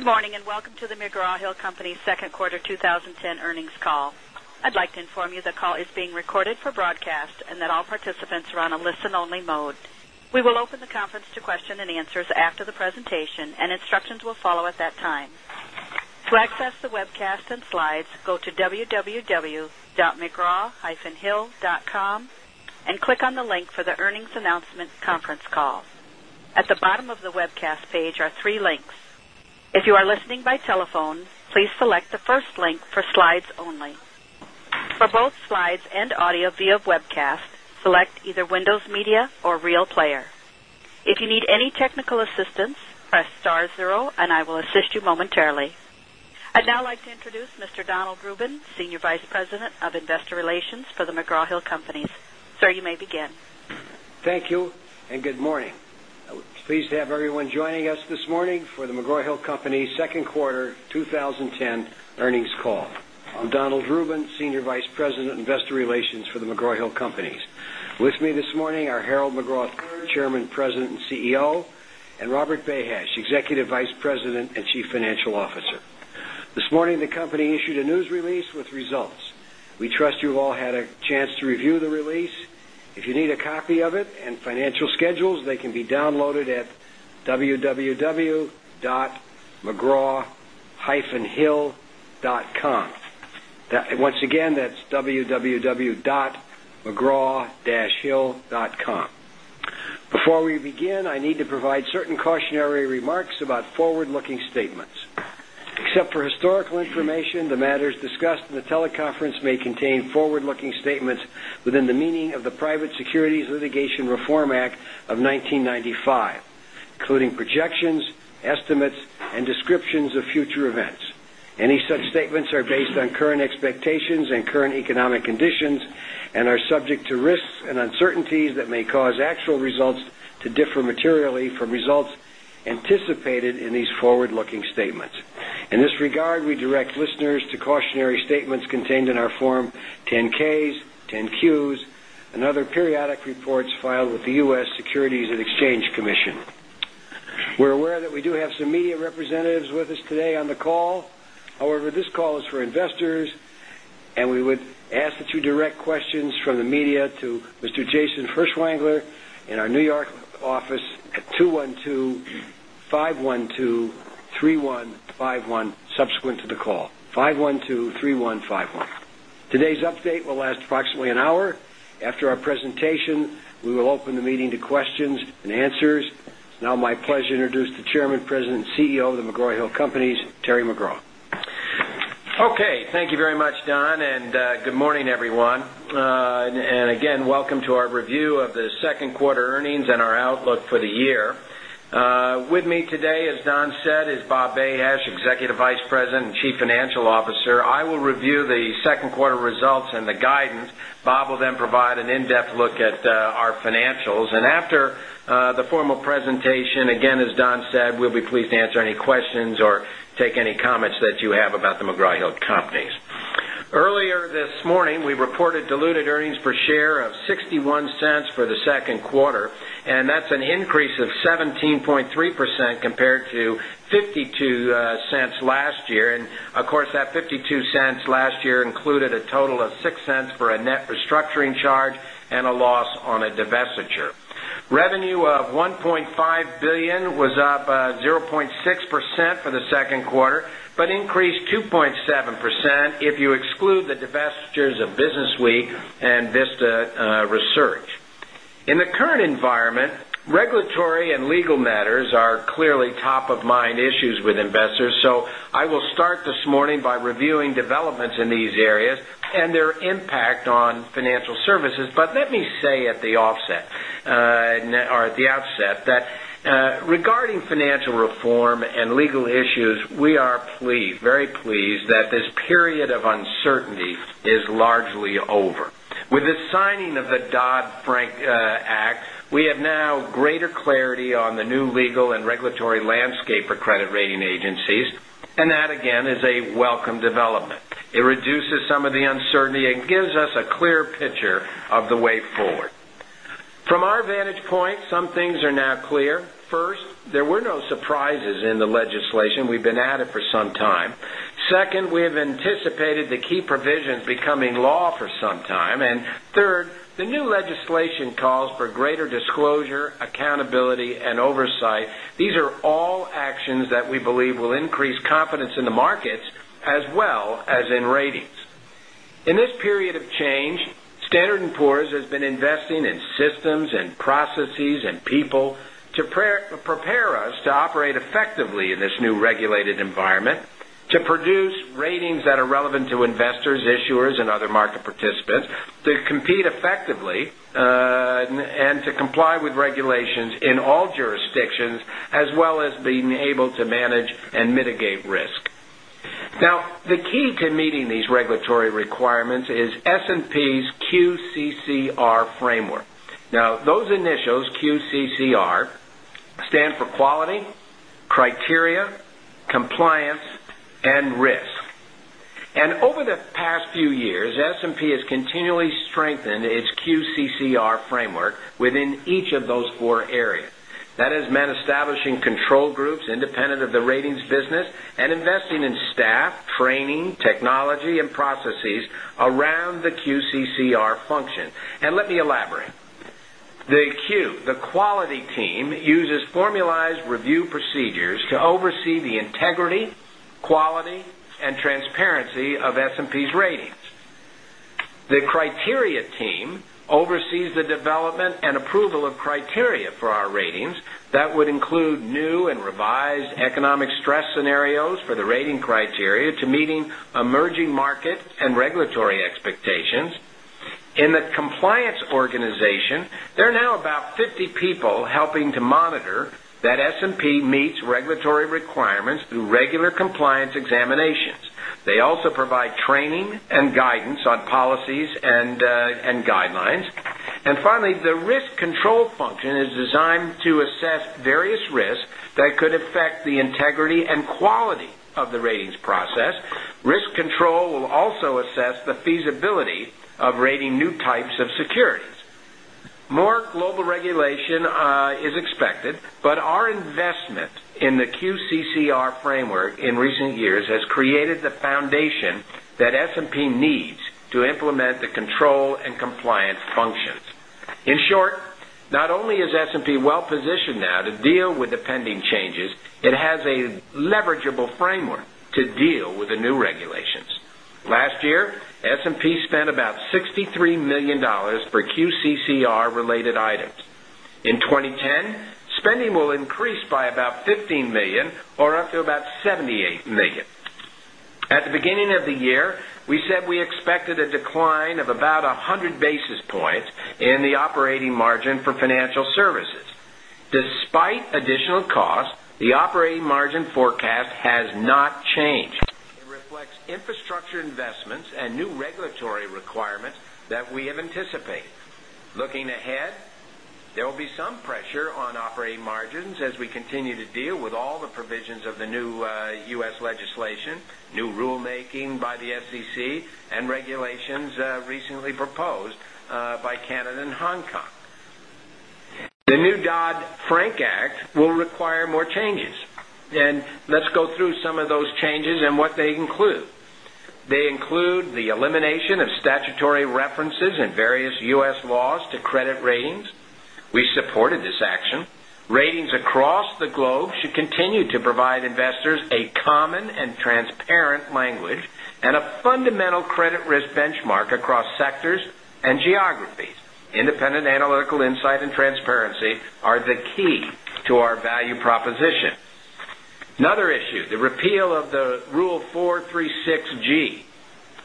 Good morning, and welcome to the McGraw Hill Company's Second Quarter 2010 Earnings Call. I'd like to inform you the call is being recorded for broadcast and that all participants are on a listen only mode. We will open the conference to To access the webcast and slides, go to www dotmcraw hill.com and click on the link for the earnings announcement conference call. At the bottom of the webcast page are 3 links. If you are listening by telephone, please select the first link for slides only. For both slides and audio via webcast, select either Windows Media or Real Player. I'd now like to introduce Mr. Donald Rubin, Senior Vice President of Investor Relations for The McGraw Hill Companies. Sir, you may begin. Thank you, and good morning. Pleased to have everyone joining us this morning for The McGraw Hill Company's 2nd quarter 2010 earnings call. I'm Donald Rubin, Senior Vice President, Investor Relations for the McGraw Hill Companies. With me this morning are Harold McGraw, III, Chairman, President and CEO and Robert Behash, Executive Vice President and Chief Financial Officer. This morning, the company issued a news release with results. We trust you all had www.mcgrawhill.com. Once again, that's www.mcraw hill.com. Before we begin, I need to provide certain cautionary remarks about forward looking Statements. Except for historical information, the matters discussed in the teleconference may contain forward looking statements within the meaning of the Private Securities Litigation Reform Act of 1995, including projections, estimates and descriptions of In this regard, we direct listeners to cautionary statements contained in our Form 10ks, 10 Qs and other periodic reports filed with the U. S. Securities and Exchange Commission. We're aware that we do have some media representatives with us today on the call. However, this call is for investors, and we would ask that you direct questions from the media to Mr. Jason Furschwanger In our New York office at 212-512-3151 subsequent to the call, 512-3151. Today's update will last approximately an hour. After our presentation, we will open the meeting to questions and answers. It's now my pleasure to introduce the Chairman, President and CEO of The McGraw Hill Companies, Terry McGraw. Okay. Thank you very much, Don, and good morning, everyone. And again, welcome to our review of the 2nd quarter earnings and our outlook for the year. With me today, as Don said, is Bob Behesh, Executive Vice President and Chief Financial Officer. I will review the 2nd quarter results And the guidance, Bob will then provide an in-depth look at our financials. And after the formal presentation, again, as Don said, we'll be pleased to answer any questions or Take any comments that you have about the McGraw Hill Companies. Earlier this morning, we reported diluted earnings per share of $0.61 for the 2nd quarter and that's an increase of 17.3% compared to $0.52 Last year and of course that $0.52 last year included a total of $0.06 for a net restructuring charge and a loss on Revenue of $1,500,000,000 was up 0.6% for the 2nd quarter, but increased 2.7% if you In the current environment, regulatory and legal matters are clearly Top of mind issues with investors. So I will start this morning by reviewing developments in these areas and their impact on financial services, but let me Say at the offset or at the outset that regarding financial reform and legal issues, we are pleased, very pleased that this clarity on the new legal and regulatory landscape for credit rating agencies and that again is a welcome development. It reduces some of the uncertainty and gives us A clear picture of the way forward. From our vantage point, some things are now clear. First, there were no surprises in the legislation. We've been at it 2nd, we have anticipated the key provisions becoming law for some time and third, the new legislation calls for greater In this period of change, Standard and Poor's has been investing in systems and processes and people to prepare us to Participants to compete effectively and to comply with regulations in all jurisdictions As well as being able to manage and mitigate risk. Now the key to meeting these regulatory requirements is S And over the past few years, S and P has continually strengthened its QCCR It uses formalized review procedures to oversee the integrity, quality and transparency of S That would include new and revised economic stress scenarios for the rating criteria to meeting emerging market and regulatory Expectations, in the compliance organization, there are now about 50 people helping to monitor that S and And finally, the risk control function is designed to assess various risks that could affect Securities. More global regulation is expected, but our investment in the QCCR framework in recent years has Created the foundation that S and P needs to implement the control and compliance functions. In short, Not only is S and P well positioned now to deal with the pending changes, it has a leverageable framework to deal With the new regulations, last year S and P spent about $63,000,000 for QCCR related items. In 2010, Spending will increase by about $15,000,000 or up to about $78,000,000 At the beginning of the year, We said we expected a decline of about 100 basis points in the operating margin for Financial Services. Despite additional requirement that we have anticipated. Looking ahead, there will be some pressure on operating margins As we continue to deal with all the provisions of the new U. S. Legislation, new rule making by the SEC and regulations recently proposed by Canada and Hong Kong. The new Dodd Frank Act will require more changes and let's go through some of those Ratings across the globe should continue to provide investors a common and transparent language and a fundamental credit risk benchmark across Sectors and geographies, independent analytical insight and transparency are the key to our value proposition. Another issue, The repeal of the Rule 436 gs.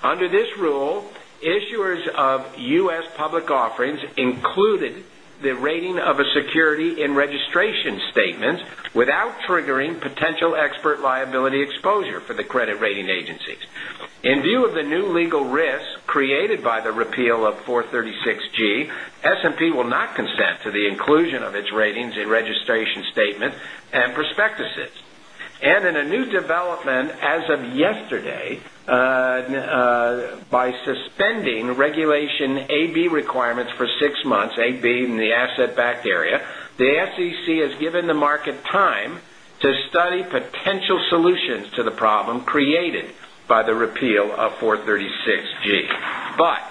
Under this rule, issuers of U. S. Public offerings Included the rating of a security in registration statements without triggering potential expert liability exposure For the credit rating agencies, in view of the new legal risks created by the repeal of 436 gs, S and P will not consent to the inclusion of its ratings and registration statement and prospectuses and in a new development as of yesterday By suspending Regulation AB requirements for 6 months, AB in the asset backed area, The SEC has given the market time to study potential solutions to the problem created by the repeal of 436 gs, But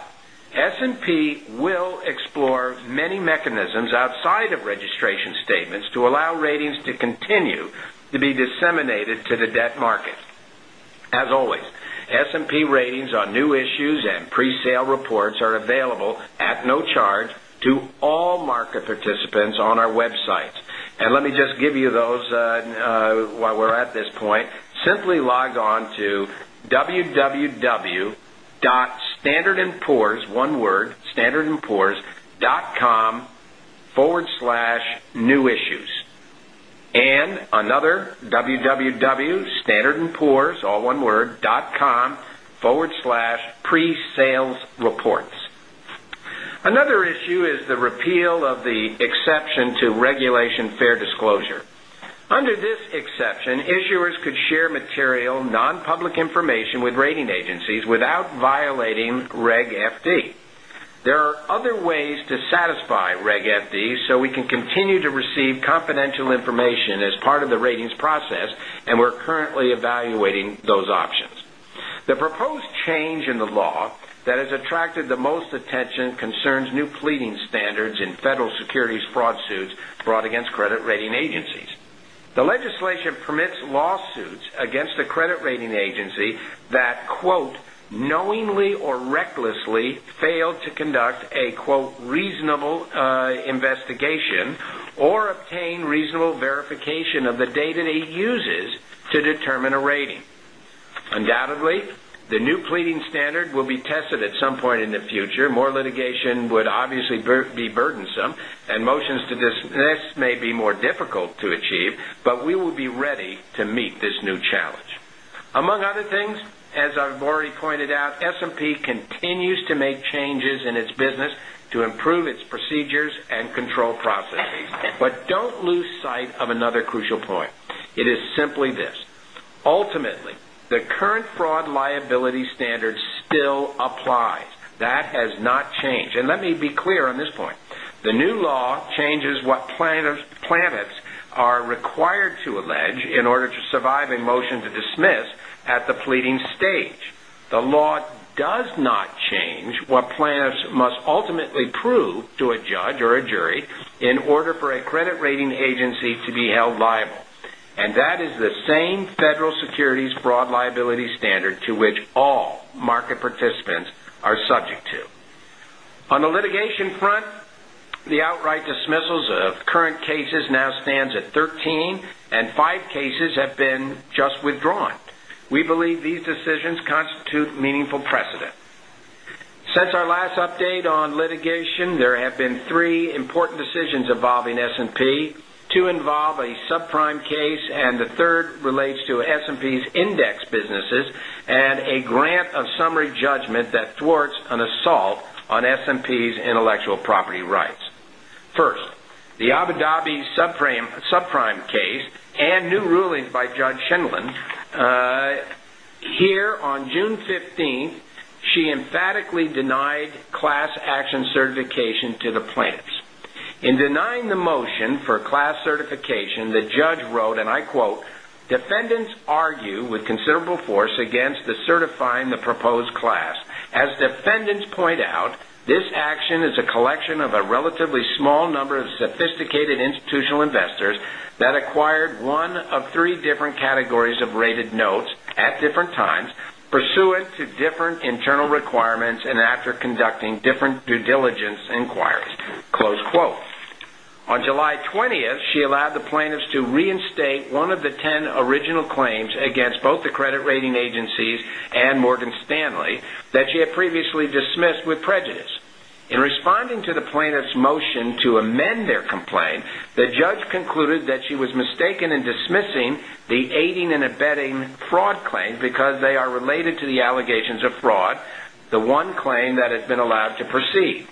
S and P will explore many mechanisms outside of registration statements to allow ratings to continue to be disseminated to the Debt markets. As always, S and P ratings on new issues and presale reports are available at no charge To all market participants on our website and let me just give you those while we're at this point, simply log on www.standardandpoors.com/ New issues. And another www.standardandpoors, all oneword, dotcom/ Pre sales reports. Another issue is the repeal of the exception to regulation fair disclosure. Under this Issuers could share material non public information with rating agencies without violating Reg FD. There are other ways to The agency that knowingly or recklessly failed to conduct a reasonable investigation or obtain reasonable verification of the data they uses to determine a rating. Undoubtedly, the new pleading standard will be tested at some point in the future. More litigation would obviously be burdensome and motions to dismiss may be more difficult to achieve, but we will be ready J. Muse:] Among other things, as I've already pointed out, S and P continues to make changes in It's business to improve its procedures and control processes, but don't lose sight of another crucial point. It is simply Ultimately, the current fraud liability standard still applies. That has not changed. And let me be clear On this point, the new law changes what planets are required to allege in order to survive a motion to dismiss at the pleading stage, the law does not change what plaintiffs must ultimately prove to a judge or a Jury, in order for a credit rating agency to be held liable and that is the same federal securities broad liability standard to C. Butler:] On the litigation front, the outright dismissals of current cases now Since our last update on litigation, there have been 3 important decisions involving S and P, 2 involve a subprime And the third relates to S and P's index businesses and a grant of summary judgment that thwarts an on S and P's intellectual property rights. First, the Abu Dhabi subprime case and new rulings by Judge Schindlin Here on June 15, she emphatically denied class In denying the motion for class certification, the judge wrote, and I quote, defendants argue with considerable force certifying the proposed class. As defendants point out, this action is a collection of a relatively small number of sophisticated institutional investors That acquired 1 of 3 different categories of rated notes at different times pursuant to different internal requirements and after conducting different due diligence inquiries. On July 20, she allowed the plaintiffs to reinstate 1 of 10 original claims against both the credit rating agencies and Morgan Stanley that she had previously dismissed with prejudice. In responding to the plaintiff's motion to amend their complaint, the judge concluded that she was mistaken in dismissing the aiding and abetting Fraud claims because they are related to the allegations of fraud, the one claim that has been allowed to proceed.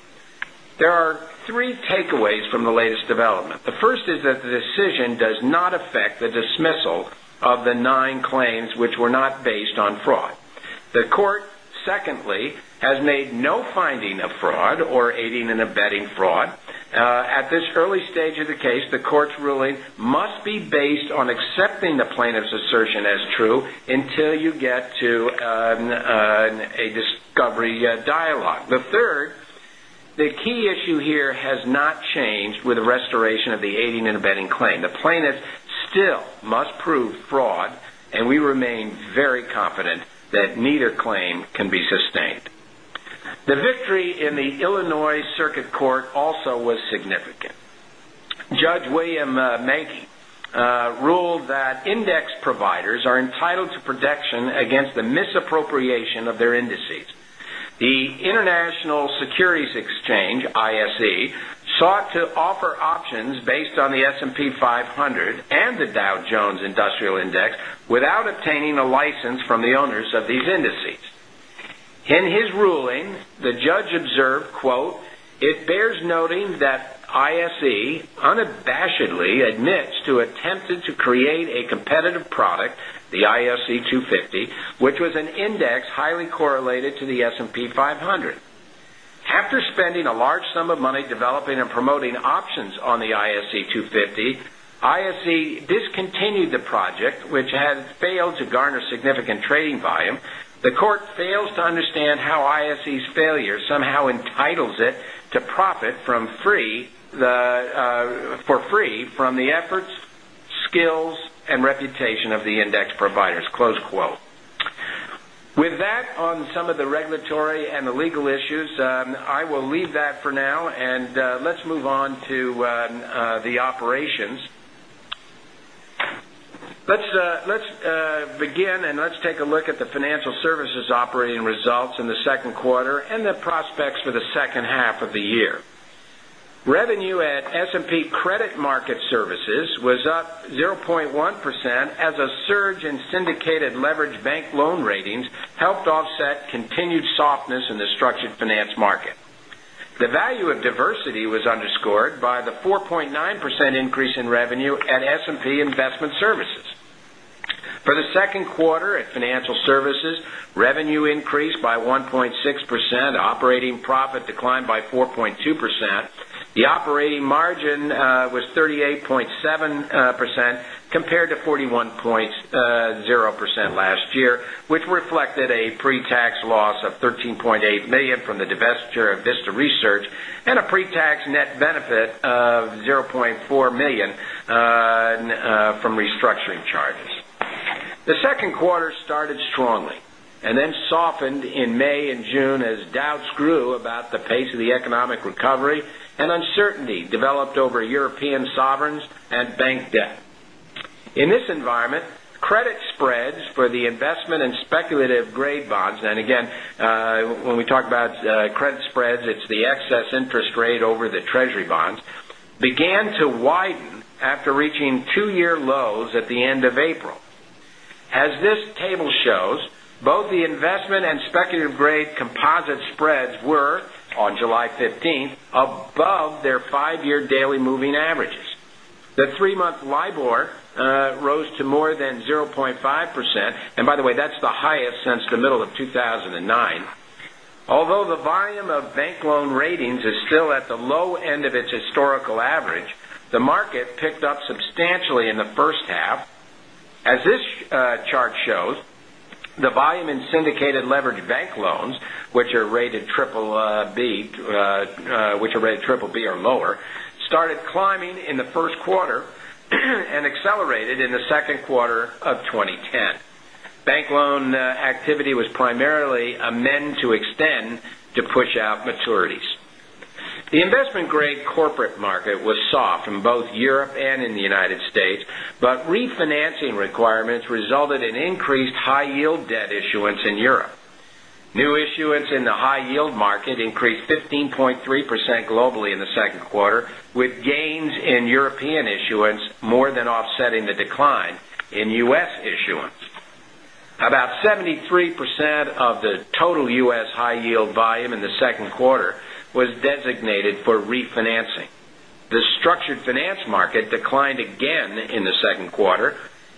There are 3 takeaways from the latest development. The first is that the decision does not affect the dismissal of the 9 claims, which were not based on fraud. The court, secondly, Has made no finding of fraud or aiding and abetting fraud. At this early stage of the case, the court's ruling must be based I'm accepting the plaintiff's assertion as true until you get to a discovery dialogue. The third, The key issue here has not changed with the restoration of the aiding and abetting claim. The plaintiffs still must prove fraud And we remain very confident that neither claim can be sustained. The victory in the Illinois Circuit Court also was Judge William Menck ruled that index providers are entitled to protection against the misappropriation The International Securities Exchange, ISE, sought to offer options The judge observed, It bears noting that ISE unabashedly admits to attempt to create a competitive product, the ISC 250, which was an index highly correlated to the S After spending a large sum of money developing and promoting options on the ISC 250, ISC discontinued the Object, which has failed to garner significant trading volume, the court fails to understand how ISE's failure somehow It entitles it to profit from free the for free from the efforts, skills and reputation With that on some of the regulatory and the legal issues, I will leave that for now and Let's move on to the operations. Let's begin and let's take a look at the Financial Services operating results in the 2nd quarter and the prospects for the second half of the year. Revenue at S and P Credit Market Services was up 0.1% as a surge in syndicated leveraged bank loan ratings helped offset continued softness in the Services. For the Q2 at Financial Services, revenue increased by 1.6%, operating profit declined by 4.2%. The operating margin was 38.7% compared to 41.0 percent last year, which reflected a pre tax loss of $13,800,000 from the divestiture of Vista Research and a pre tax net benefit of $400,000 from restructuring charges. The 2nd quarter started strongly and then softened in May June as doubts grew about the pace of the economic recovery and uncertainty developed European sovereigns and bank debt. In this environment, credit spreads for the investment and speculative grade bonds And again, when we talk about credit spreads, it's the excess interest rate over the treasury bonds, began to After reaching 2 year lows at the end of April, as this table shows, both the investment and speculative grade Composite spreads were on July 15 above their 5 year daily moving averages. The 3 month LIBOR Rose to more than 0.5% and by the way that's the highest since the middle of 2,009. Although the volume of bank Loan ratings is still at the low end of its historical average. The market picked up substantially in the first half. As this chart The volume in syndicated leveraged bank loans, which are rated BBB We are lower, started climbing in the Q1 and accelerated in the Q2 of 2010. Bank loan activity was But refinancing requirements resulted in increased high yield debt issuance in Europe. New issuance in the High yield market increased 15.3% globally in the 2nd quarter with gains in European issuance more than offsetting the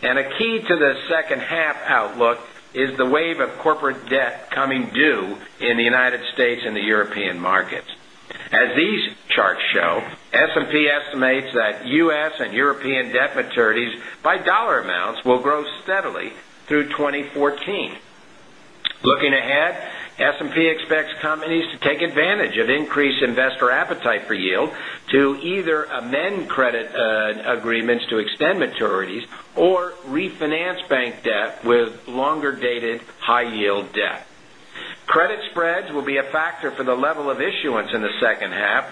And a key to the second half outlook is the wave of corporate debt coming due in the United States in the European markets. As these charts show, S and P estimates that U. S. And European debt maturities By dollar amounts, we'll grow steadily through 2014. Looking ahead, S and P expects companies to take advantage of increased investor to either amend credit agreements to extend maturities or refinance bank debt with longer dated high yield Credit spreads will be a factor for the level of issuance in the second half.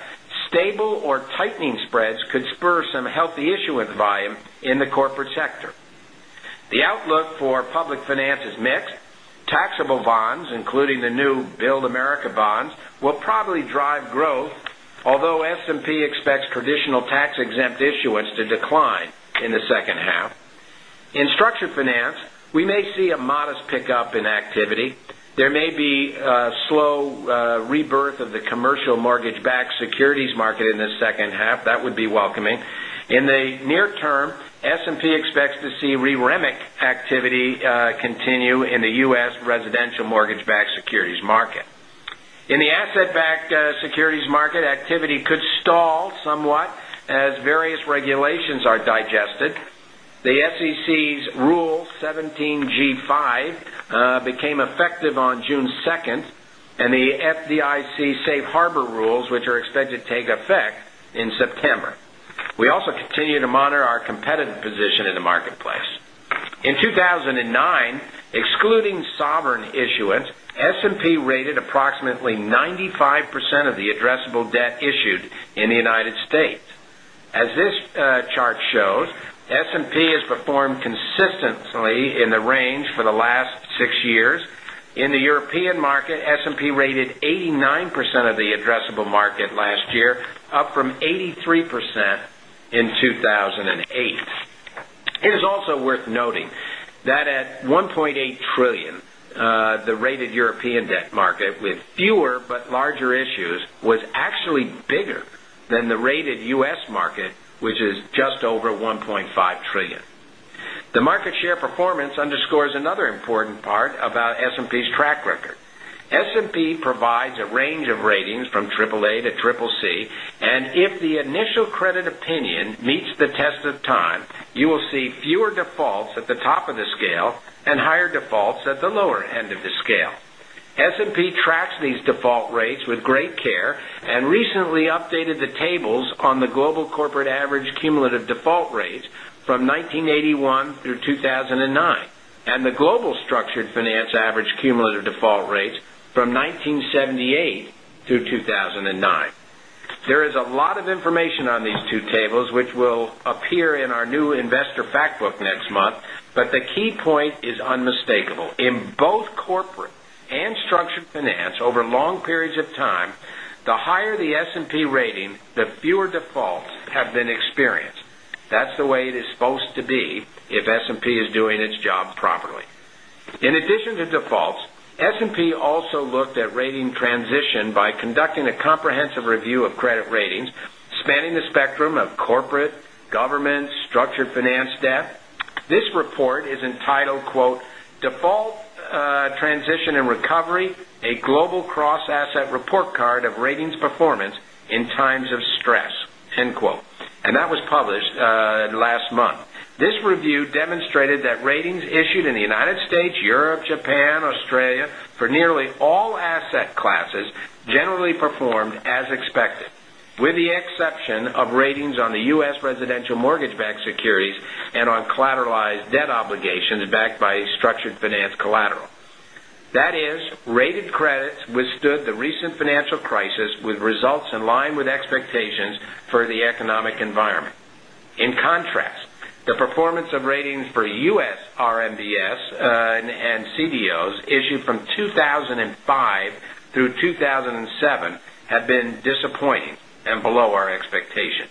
Stable or tightening spreads could spur some healthy issuance volume in the corporate sector. The outlook for public finance is mixed. Taxable bonds, including the new Build America bonds will probably drive Growth, although S and P expects traditional tax exempt issuance to decline in the second half. In structured finance, we may see a modest Pickup in activity. There may be slow rebirth of the commercial mortgage backed securities market in the second half. That would be welcoming. In the near term, S and P expects to see REMIC activity continue in the U. S. Residential mortgage backed Regulations are digested. The SEC's Rule 17g5 became effective on June And the FDIC safe harbor rules, which are expected to take effect in September. We also continue to monitor our Competitive position in the marketplace. In 2,009, excluding sovereign issuance, S and P rated Approximately 95% of the addressable debt issued in the United States. As this chart shows, S and P has performed consistent In the range for the last 6 years, in the European market, S and P rated 89% of the addressable market Last year, up from 83% in 2,008. It is also worth noting that at 1.8 Trillion, the rated European debt market with fewer but larger issues was actually bigger than the rated The first part about S and P's track record. S and P provides a range of ratings from AAA to CCC and if the initial credit Pinion meets the test of time. You will see fewer defaults at the top of the scale and higher defaults at the lower End of the scale. S and P tracks these default rates with great care and recently updated the tables on the global corporate Cumulative default rates from 19.78 through 2,009. There is a lot of information on these two tables, which will appear in Our new investor fact book next month, but the key point is unmistakable. In both corporate and structured finance over long periods The higher the S and P rating, the fewer defaults have been experienced. That's the way it is supposed to be If S and P is doing its job properly. In addition to defaults, S and P also looked at rating transition by conducting a comprehensive Review of credit ratings spanning the spectrum of corporate, government, structured finance debt. This report is entitled Default Transition and A Global Cross Asset Report Card of Ratings Performance in Times of Stress and that was published last month. This review demonstrated that ratings issued in the United States, Europe, Japan, Australia, for nearly all asset classes, generally performed as expected, with the exception of ratings on the U. S. Residential mortgage backed Securities and on collateralized debt obligations backed by structured finance collateral. That is rated credits withstood the recent financial With results in line with expectations for the economic environment. In contrast, the performance of ratings for U. S. RMBS And below our expectations,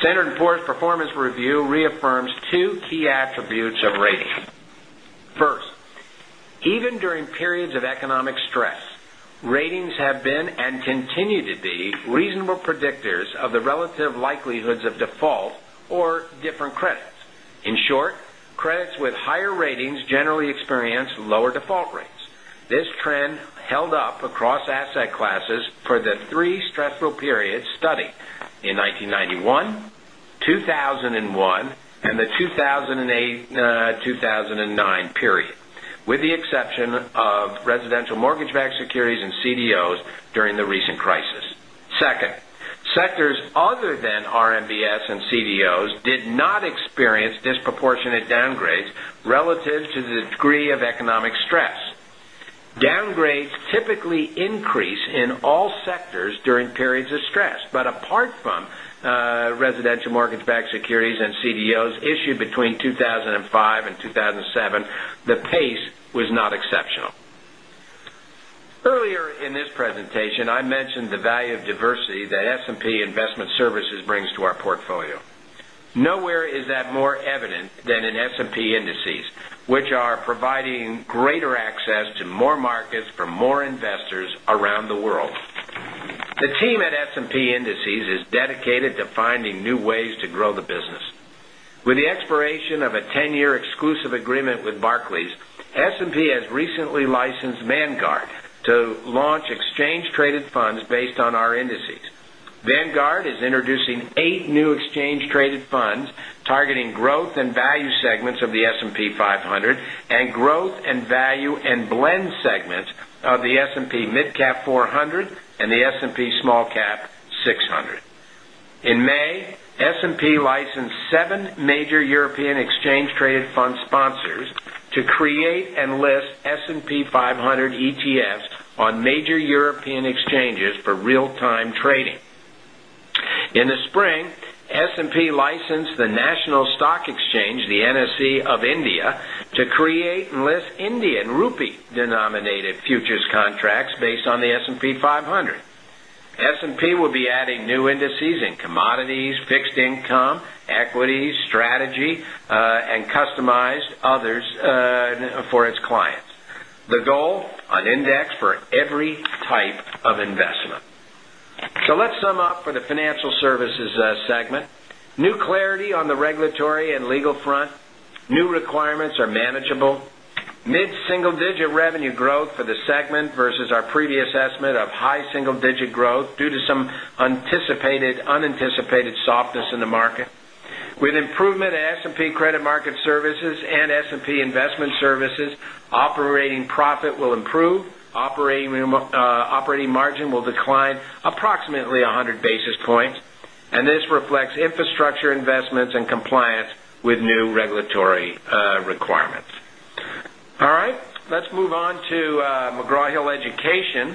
Standard and Poor's performance review reaffirms 2 key attributes of rate. First, even during periods of economic stress, ratings have been and continue to be Reasonable predictors of the relative likelihoods of default or different credits. In short, credits with higher ratings Generally experienced lower default rates. This trend held up across asset classes for the 3 stressful period of residential mortgage backed securities and CDOs during the recent crisis. 2nd, sectors other than RMBS and CDOs did not experience disproportionate downgrades relative to the degree of economic stress. Downgrades typically increase in all sectors during periods of stress, but apart from residential Mortgage backed securities and CDOs issued between 2,005 and 2,007, the pace was not exceptional. Earlier in this I mentioned the value of diversity that S and P Investment Services brings to our portfolio. Nowhere is that more evident than in S and P indices, Which are providing greater access to more markets for more investors around the world. The team at S and P Indices is dedicated to finding new ways to grow the business. With the expiration of a 10 year exclusive agreement with Barclays, S and P has 8 new exchange traded funds targeting growth and value segments of the S and P 500 and growth and value and blend Segment of the S and P MidCap 400 and the S and P SmallCap 600. In May, S and P licensed 7 major European Exchange Traded Fund sponsors to create and list S and P 500 ETFs on major European exchanges for real time trading. In the spring, S and P On the S and P 500, S and P will be adding new indices in commodities, fixed income, equities, strategy and customized others for its clients. The goal on index for every type So let's sum up for the Financial Services segment. New clarity on the regulatory And legal front, new requirements are manageable. Mid single digit revenue growth for the segment versus our previous estimate of high single digit growth due to Some anticipated softness in the market. With improvement in S and P Credit Market Services And this reflects infrastructure investments and compliance with new regulatory requirements. All right. Let's move on to McGraw Hill Education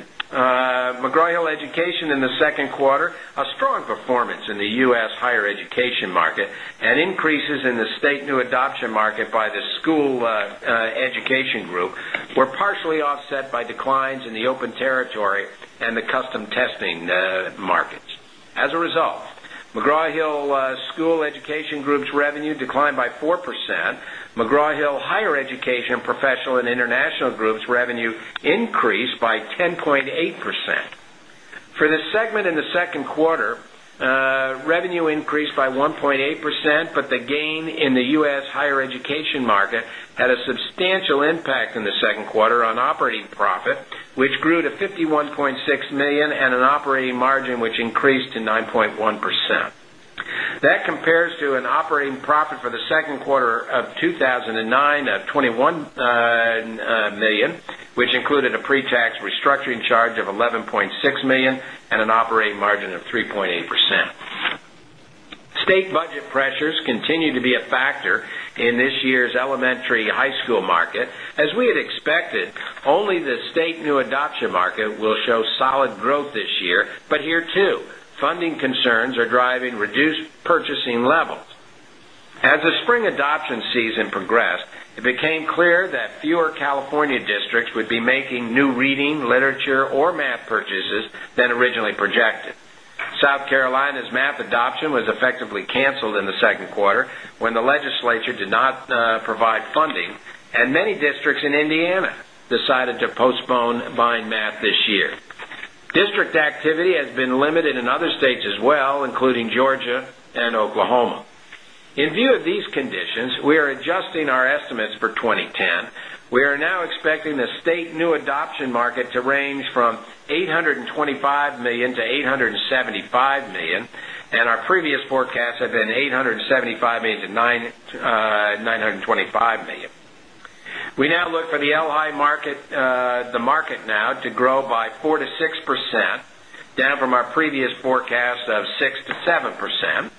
in the 2nd quarter, a strong performance in the U. S. Higher Education market and increases in the state new adoption market by the school education group were partially offset by declines in the open territory and the custom testing markets. As a result, McGraw Hill School Education Group's revenue declined by 4%, For this segment in the second quarter, revenue increased by 1.8%, but the gain in the U. S. Higher education market had a substantial impact in the 2nd quarter on operating profit, which grew to $51,600,000 and an margin which increased to 9.1%. That compares to an operating profit for the Q2 $29,000,000 which included a pre tax restructuring charge of $11,600,000 and an operating margin of 3 point State budget pressures continue to be a factor in this year's elementary high school market. As we had expected, only the Spring adoption season progressed, it became clear that fewer California districts would be making new reading, literature or Activity has been limited in other states as well, including Georgia and Oklahoma. In view of these conditions, we are adjusting our estimates for 20 We are now expecting the state new adoption market to range from $825,000,000 to $875,000,000 and our previous forecasts That's been $875,000,000 to $925,000,000 We now look for the El Hai market, the market now to grow by 4% to 6%, down from our previous forecast of 6% to 7%.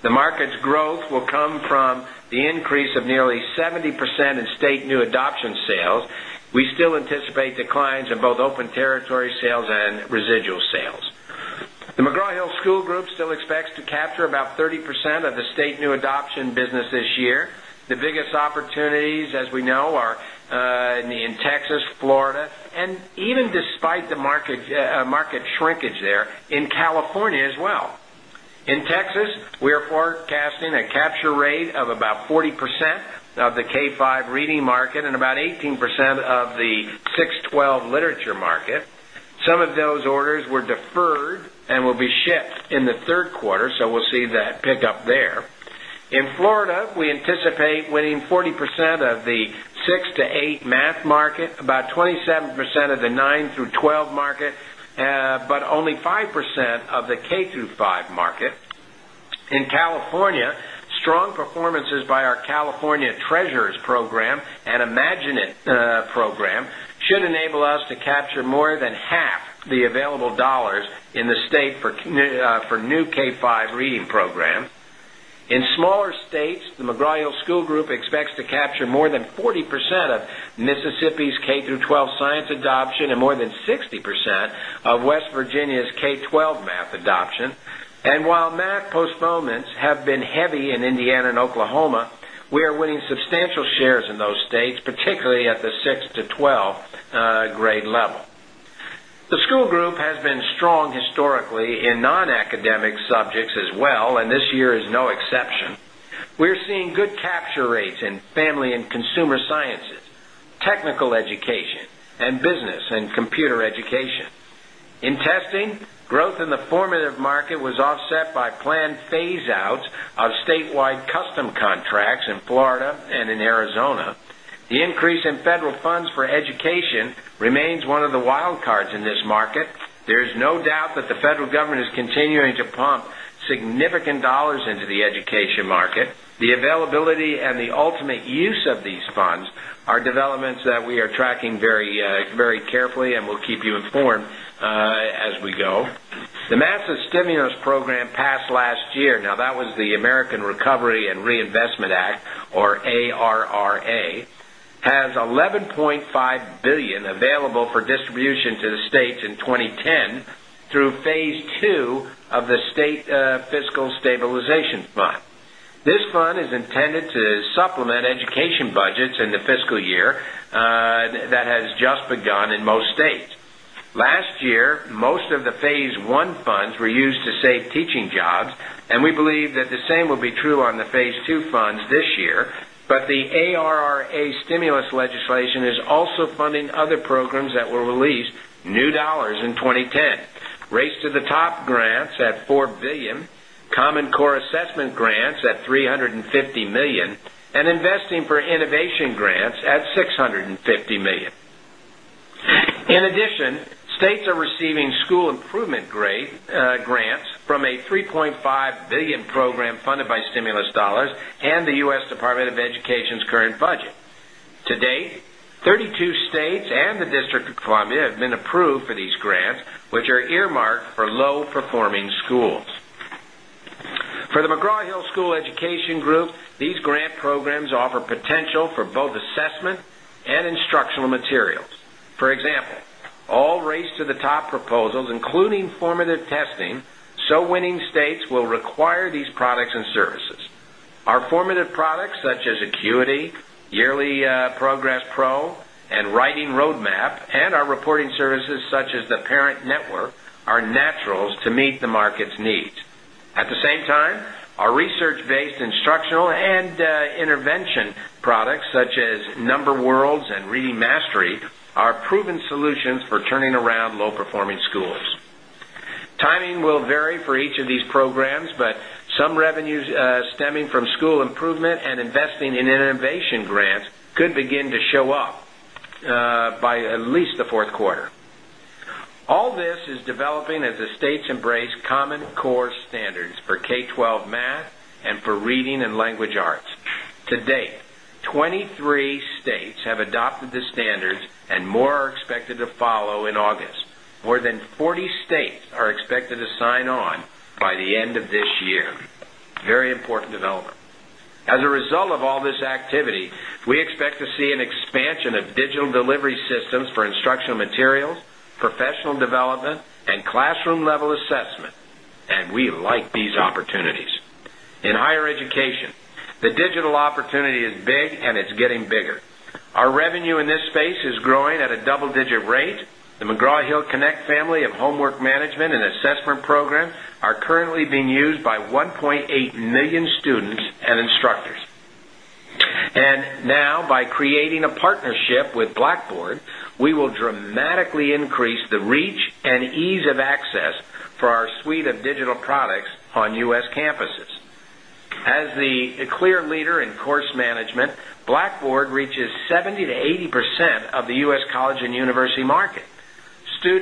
The market's growth will come from the increase of nearly 70% in state new adoption sales, we still anticipate declines in both open territory sales and residual sales. The McGraw Hill School Group still to capture about 30% of the state new adoption business this year. The biggest opportunities, as we know, are in Texas, Florida and even despite the market shrinkage there, in California as well. In Texas, we are forecasting a capture rate We're winning 40% of the 6% to 8% math market, about 27% of the 9% through 12% market, but only 5% of the K-five market. In California, strong performances by our California Treasures program and Imagine It program should enable us to capture more than half the available dollars in the state For new K5 reading program, in smaller states, the McGraw Hill School Group expects to capture more than 40% of Mississippi's K-twelve science The school group has been strong historically in non academic subjects as well and this year is no exception. We are seeing good capture rates The availability and the ultimate use of these funds are developments that we are tracking very carefully and we'll The massive stimulus program passed last year, now that was the American Recovery and Reinvestment Or ARRA has $11,500,000,000 available for distribution to the states budgets in the fiscal year that has just begun in most states. Last year, most of the Phase 1 funds were used to save teaching jobs and we believe that the same will be true on the Phase 2 funds this year, but the ARRA Stimulus legislation is also funding other programs that were released new dollars in 2010. Race to the Top Grants at $4,000,000,000 Common Core Assessment Grants at $350,000,000 and investing for innovation grants at 650 In addition, states are receiving school improvement grants from a 3.5 program funded by stimulus dollars and the U. S. Department of Education's current budget. To date, 32 states And the District of Columbia have been approved for these grants, which are earmarked for low performing schools. For the McGraw Hill School These grant programs offer potential for both assessment and instructional materials. For example, all race to the top Proposals including formative testing so winning states will require these products and services. Our formative products Such as Acuity, Yearly Progress Pro and Writing Roadmap and our reporting services such as the Our network are naturals to meet the market's needs. At the same time, our research based instructional and intervention products such Number Worlds and Reading Mastery are proven solutions for turning around low performing schools. Timing will vary for each of these programs, but Some revenues stemming from school improvement and investing in innovation grants could begin to show up by at least the 4th quarter. All this is developing as the states embrace common core standards for K-twelve math and for reading and language To date, 23 states have adopted the standards and more are expected to follow More than 40 states are expected to sign on by the end of this year, very important development. As a result of all this We expect to see an expansion of digital delivery systems for instructional materials, professional development and classroom level assessment, And we like these opportunities. In higher education, the digital opportunity is big and it's Our revenue in this space is growing at a double digit rate. The McGraw Hill Connect family of homework management and assessment program Are currently being used by 1,800,000 students and instructors. And now by creating a partnership with Blackboard, We will dramatically increase the reach and ease of access for our suite of digital products on U. S. Campuses. As the We are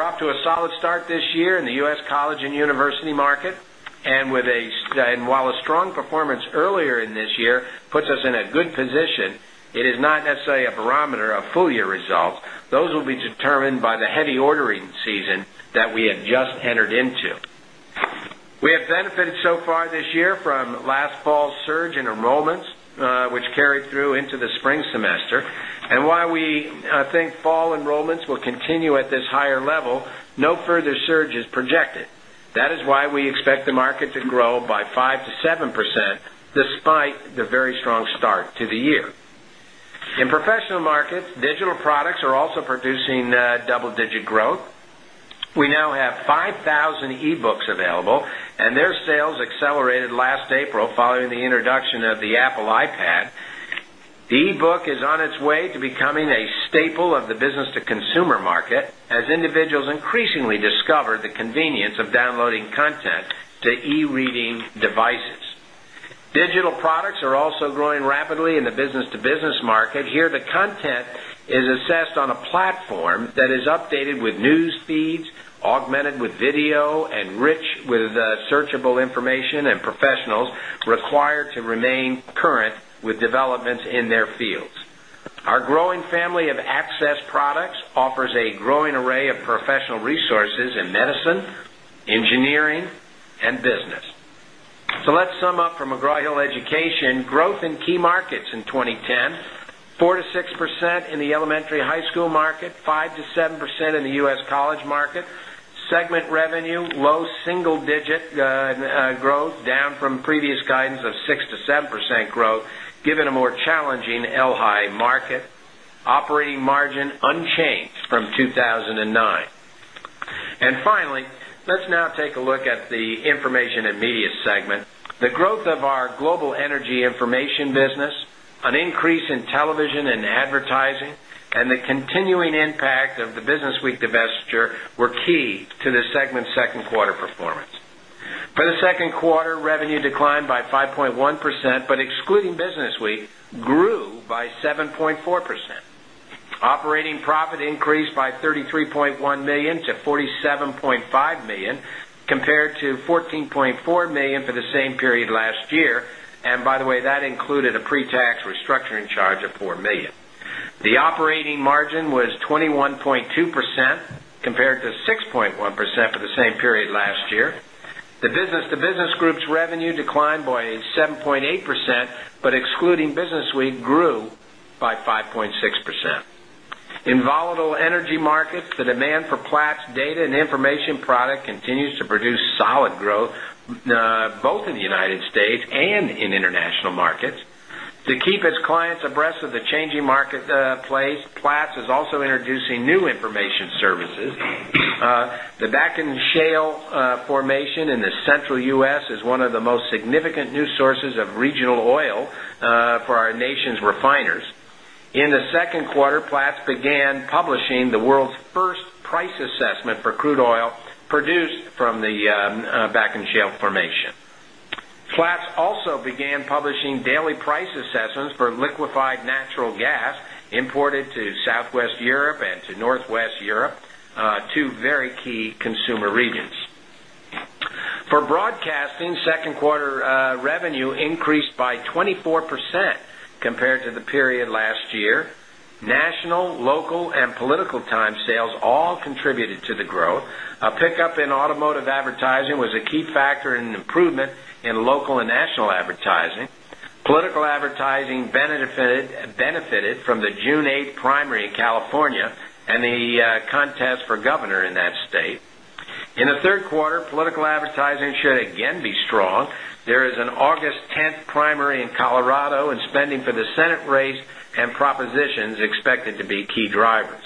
off to a solid start this year in the U. S. College and university market and with a And while a strong performance earlier in this year puts us in a good position, it is not necessarily a barometer of full year results. Those will be determined by the Heavy ordering season that we had just entered into. We have benefited so far this year from last Fall surge in enrollments, which carry through into the spring semester and why we think fall enrollments will continue at this Higher level, no further surge is projected. That is why we expect the market to grow by 5% to 7% despite the very strong In professional markets, digital products are also producing double digit growth. We now have 5,000 e books available and their sales accelerated last April following the introduction of the Apple iPad. The e book is on its way to to e reading devices. Digital products are also growing rapidly in the business to business market. Here, the content is assessed on a platform that is updated with news feeds, augmented with video and rich with Searchable information and professionals required to remain current with developments in their fields. Our growing family of access Products offers a growing array of professional resources in medicine, engineering and business. So let's sum up for McGraw Hill Education, growth in key markets in 2010, 4% to 6% in the elementary high school market, 5% to 7% in the U. S. College Segment revenue low single digit growth down from previous guidance of 6% to 7% growth given a more challenging LHAI The Information and Media segment, the growth of our Global Energy Information business, an increase in television and advertising And the continuing impact of the BusinessWeek divestiture were key to the segment's 2nd quarter performance. For the 2nd Quarter revenue declined by 5.1%, but excluding business, we grew by 7.4%. Operating profit It increased by $33,100,000 to $47,500,000 compared to $14,400,000 for the same period last year and by the way that included a pre tax restructuring charge of $4,000,000 The operating margin was 21.2% Compared to 6.1% for the same period last year, the business to business group's revenue declined by 7.8%, but excluding Business We grew by 5.6%. In volatile energy markets, the demand for Platts data and information product continues to produce solid growth, Both in the United States and in international markets, to keep its clients abreast of the changing marketplace, Platts is also introducing new The Bakken Shale formation in the Central U. S. Is one of the most significant new sources of regional oil for our nation's refiners. In the 2nd quarter, Platts began publishing the world's first For Broadcasting, 2nd quarter revenue increased by 24% compared to the period last National, local and political time sales all contributed to the growth. A pickup in automotive And the contest for governor in that state. In the Q3, political advertising should again be strong. There is an August 10 primary in Colorado and spending for the Senate race and propositions expected to be key drivers.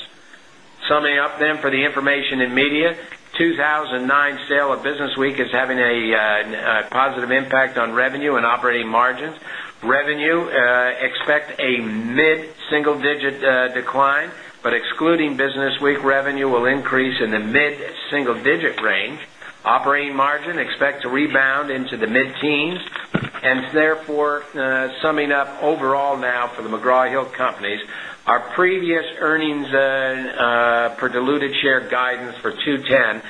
Summing For the information and media, 2,009 sale of BusinessWeek is having a positive impact on revenue and operating margins. Revenue, Operating margin expect to rebound into the mid teens and therefore summing up overall now for McGraw Hill Companies, our previous earnings per diluted share guidance for $2.10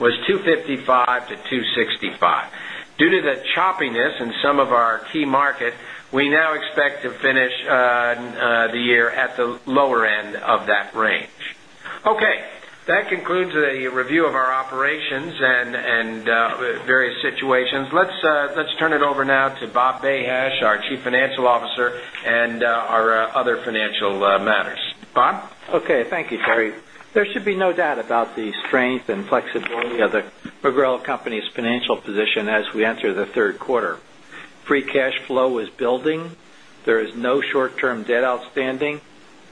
was $2.55 to 2.6 Due to the choppiness in some of our key markets, we now expect to finish the year at The lower end of that range. Okay. That concludes the review of our operations and various Let's turn it over now to Bob Behesh, our Chief Financial Officer and our other financial matters. Bob? Okay. Thank you, There should be no doubt about the strength and flexibility of the McGraw Hill Company's financial position as we enter the Q3. Free cash flow is building. There is no short term debt outstanding,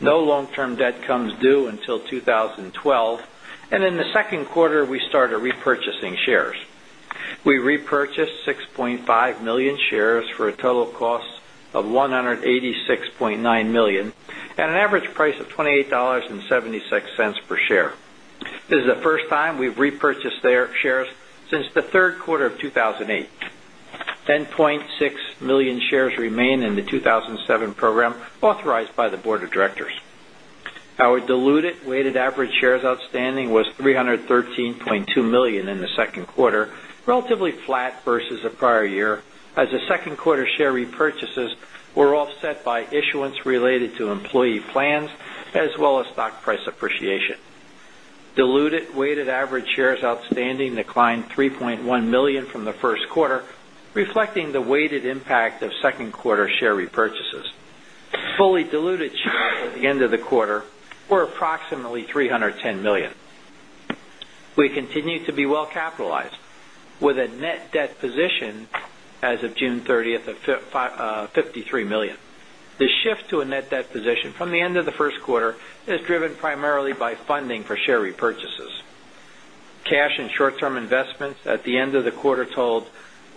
no long term debt comes due until 2012 and in the second quarter we started We repurchased 6,500,000 shares for a total cost of 186 shares since the Q3 of 2008. 10,600,000 shares remain in the 2,007 program authorized by the Board of Directors. Our diluted weighted average shares outstanding was 313,200,000 in the 2nd quarter, relatively flat Diluted weighted average shares outstanding declined 3,100,000 from the Q1, reflecting the weighted impact of 2nd quarter Fully diluted shares at the end of the quarter were approximately $310,000,000 We continue to be well capitalized With a net debt position as of June 30, $53,000,000 the shift to a net debt position from the end of the This quarter is driven primarily by funding for share repurchases. Cash and short term investments at the end of the quarter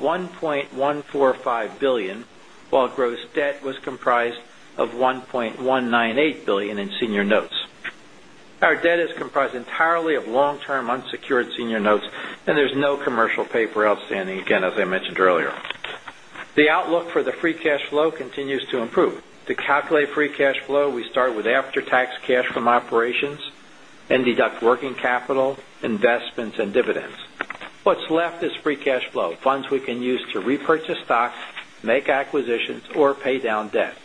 totaled 1.145 1,000,000,000 while gross debt was comprised of $1,198,000,000 in senior notes. Our debt is comprised entirely of long term And there is no commercial paper outstanding, again, as I mentioned earlier. The outlook for the free cash flow continues to improve. To calculate free cash We start with after tax cash from operations and deduct working capital, investments and dividends. What's left is free cash flow, funds we can use to repurchase stocks, make acquisitions or pay down debt.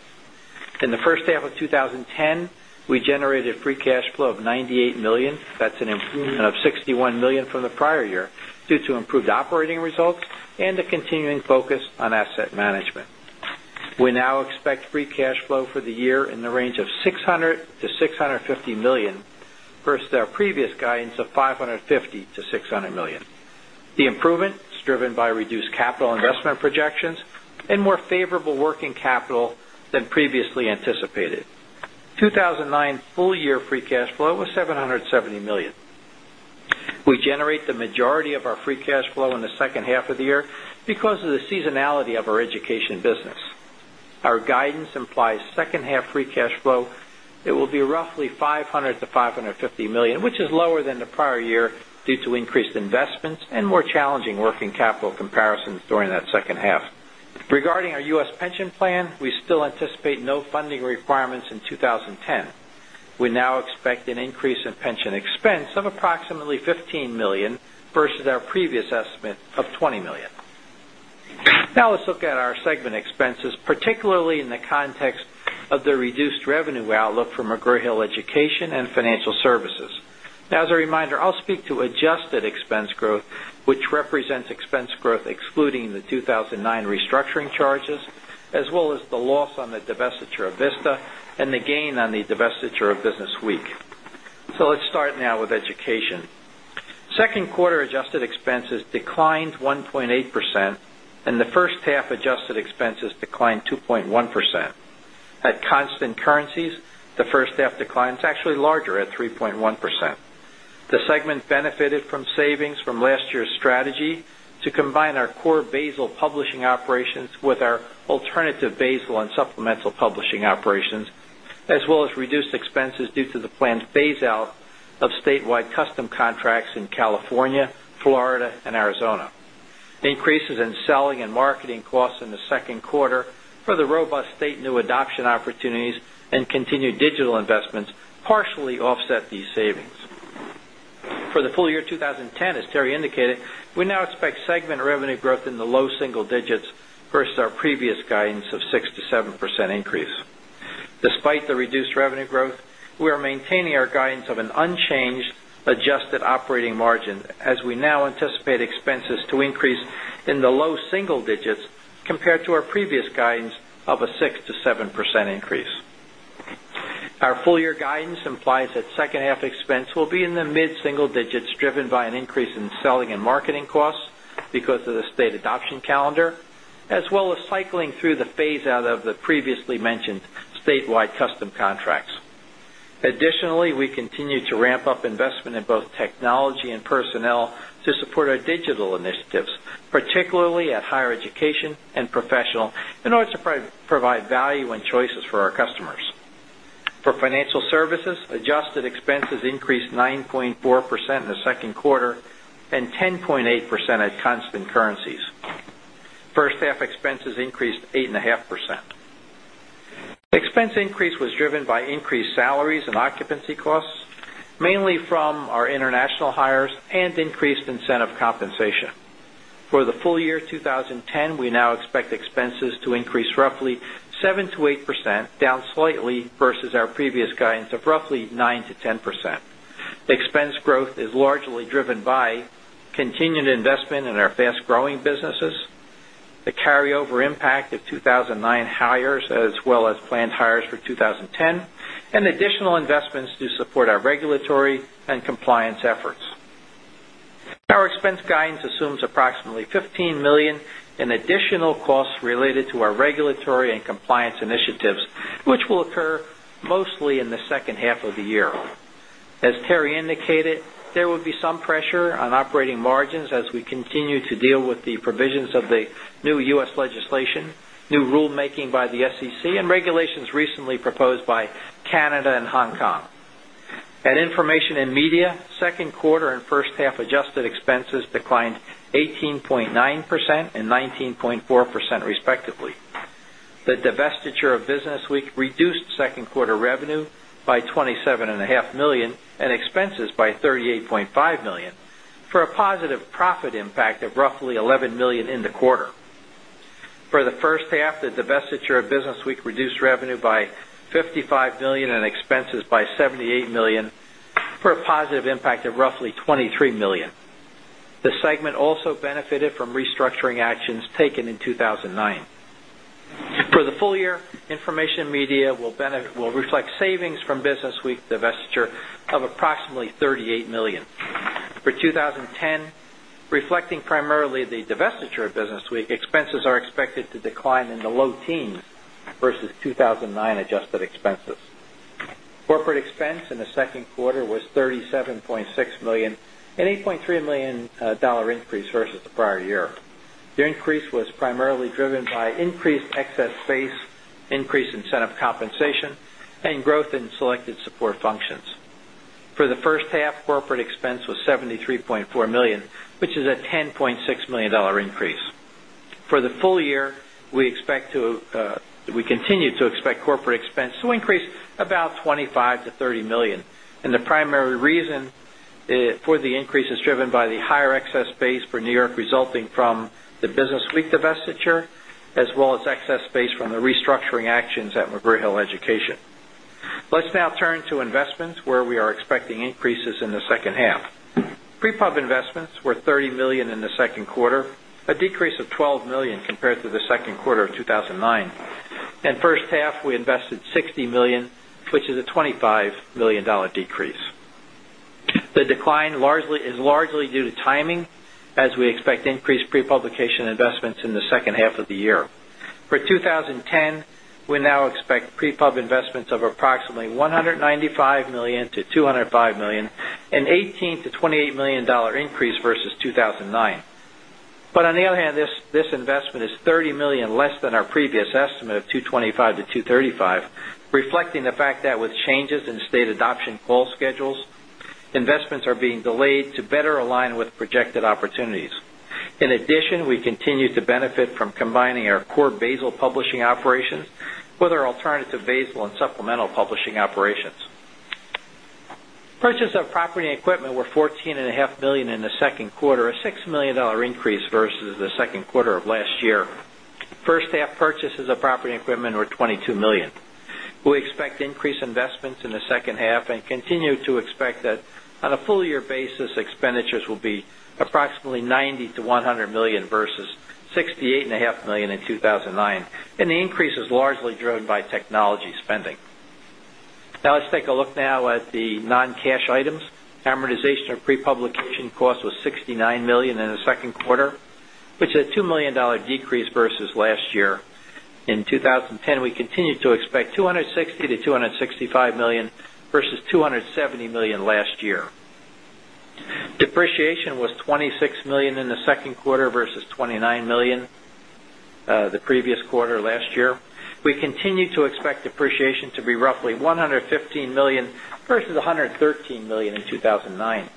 In the first half of twenty ten, we generated free cash flow of $98,000,000 That's an improvement of $61,000,000 from the prior year due to improved operating results and the continuing focus on asset management. We now The improvement is driven by reduced capital investment projections and more favorable working capital than previously 2,009 full year free cash flow was $770,000,000 We generate the majority of our Free cash flow in the second half of the year because of the seasonality of our education business. Our guidance implies second half free cash flow, it will be roughly 5 $100,000,000 to $550,000,000 which is lower than the prior year due to increased investments and more challenging working capital comparisons during that second Regarding our U. S. Pension plan, we still anticipate no funding requirements in 2010. We now expect an increase in pension expense growth, which represents expense growth excluding the 2,009 restructuring charges as well as the loss on the divestiture of Vista and the gain on the divestiture of BusinessWeek. So let's start now with Education. 2nd quarter adjusted expenses declined 1.8 In the first half, adjusted expenses declined 2.1%. At constant currencies, the first half decline is actually larger at 3.1 The segment benefited from savings from last year's strategy to combine our core Basal publishing operations with our alternative Basal on As Terry indicated, we now expect segment revenue growth in the low single digits versus our previous guidance of 6% to 7% increase. Despite the reduced revenue growth, we are maintaining our guidance of an unchanged adjusted operating margin as we now Our full year guidance implies that second half expense will be in the mid single digits driven by an increase in selling and marketing Because of the state adoption calendar as well as cycling through the phase out of the previously mentioned statewide custom contracts. Additionally, we 1st half expenses increased 8.5%. Expense increase was driven by increased salaries and Occupancy costs, mainly from our international hires and increased incentive compensation. For the full year 2010, we now expect expenses to increase roughly 7% to 8%, down slightly versus our previous guidance of roughly 9% to 10%. The expense growth is largely driven by continued investment in our fast growing businesses, the carryover impact of 2,000 and Our expense guidance assumes approximately $15,000,000 in additional costs related to our regulatory and compliance initiatives, which will occur mostly in the second half of the year. As Terry indicated, there will be some pressure on operating margins as 19.4 percent respectively. The divestiture of BusinessWeek reduced 2nd quarter revenue by 20 $7,500,000 and expenses by $38,500,000 for a positive profit impact of roughly $11,000,000 in the quarter. For the first half, The divestiture of BusinessWeek reduced revenue by $55,000,000 and expenses by $78,000,000 for The segment also benefited from restructuring actions taken in 2,009. For the full year, Information Media will reflect savings from BusinessWeek divestiture of approximately $38,000,000 For 2010, reflecting primarily The divestiture of Business Week expenses are expected to decline in the low teens versus 2,009 adjusted expenses. Corporate expense in the second quarter was $37,600,000 an $8,300,000 increase versus the prior year. The increase was primarily driven by increased Excess space, increased incentive compensation and growth in selected support functions. For the first half, corporate expense was 73,400,000 which is a $10,600,000 increase. For the full year, we expect to we continue to expect Corporate expense to increase about $25,000,000 to $30,000,000 and the primary reason for the increase is driven by the higher excess base for New York where we are expecting increases in the second half. Prepub investments were $30,000,000 in the second quarter, a decrease of $12,000,000 compared to the Q2 2,009. In first half, we invested $60,000,000 which is a $25,000,000 decrease. The decline largely is largely due to Timing as we expect increased pre publication investments in the second half of the year. For 2010, we now expect pre But on the other hand, this investment is $30,000,000 less than our previous estimate of $225,000,000 to $235,000,000 reflecting the fact that with changes in state Investments are being delayed to better align with projected opportunities. In addition, we continue to benefit from combining our core operations with our alternative Basel and supplemental publishing operations. Purchases of property and equipment were 14 point 1,000,000 in the second quarter, a $6,000,000 increase versus the Q2 of last year. First half purchases of property These expenditures will be approximately $90,000,000 to $100,000,000 versus $68,500,000 in 2,009 and the increase Pre publication cost was $69,000,000 in the 2nd quarter, which is a $2,000,000 decrease versus last year. In 2010, we continue to expect 2 $60,000,000 to $265,000,000 versus $270,000,000 last year. Depreciation was $26,000,000 in the The Q2 versus $29,000,000 the previous quarter last year. We continue to expect depreciation to be roughly 100 $15,000,000 versus $113,000,000 in 2,009.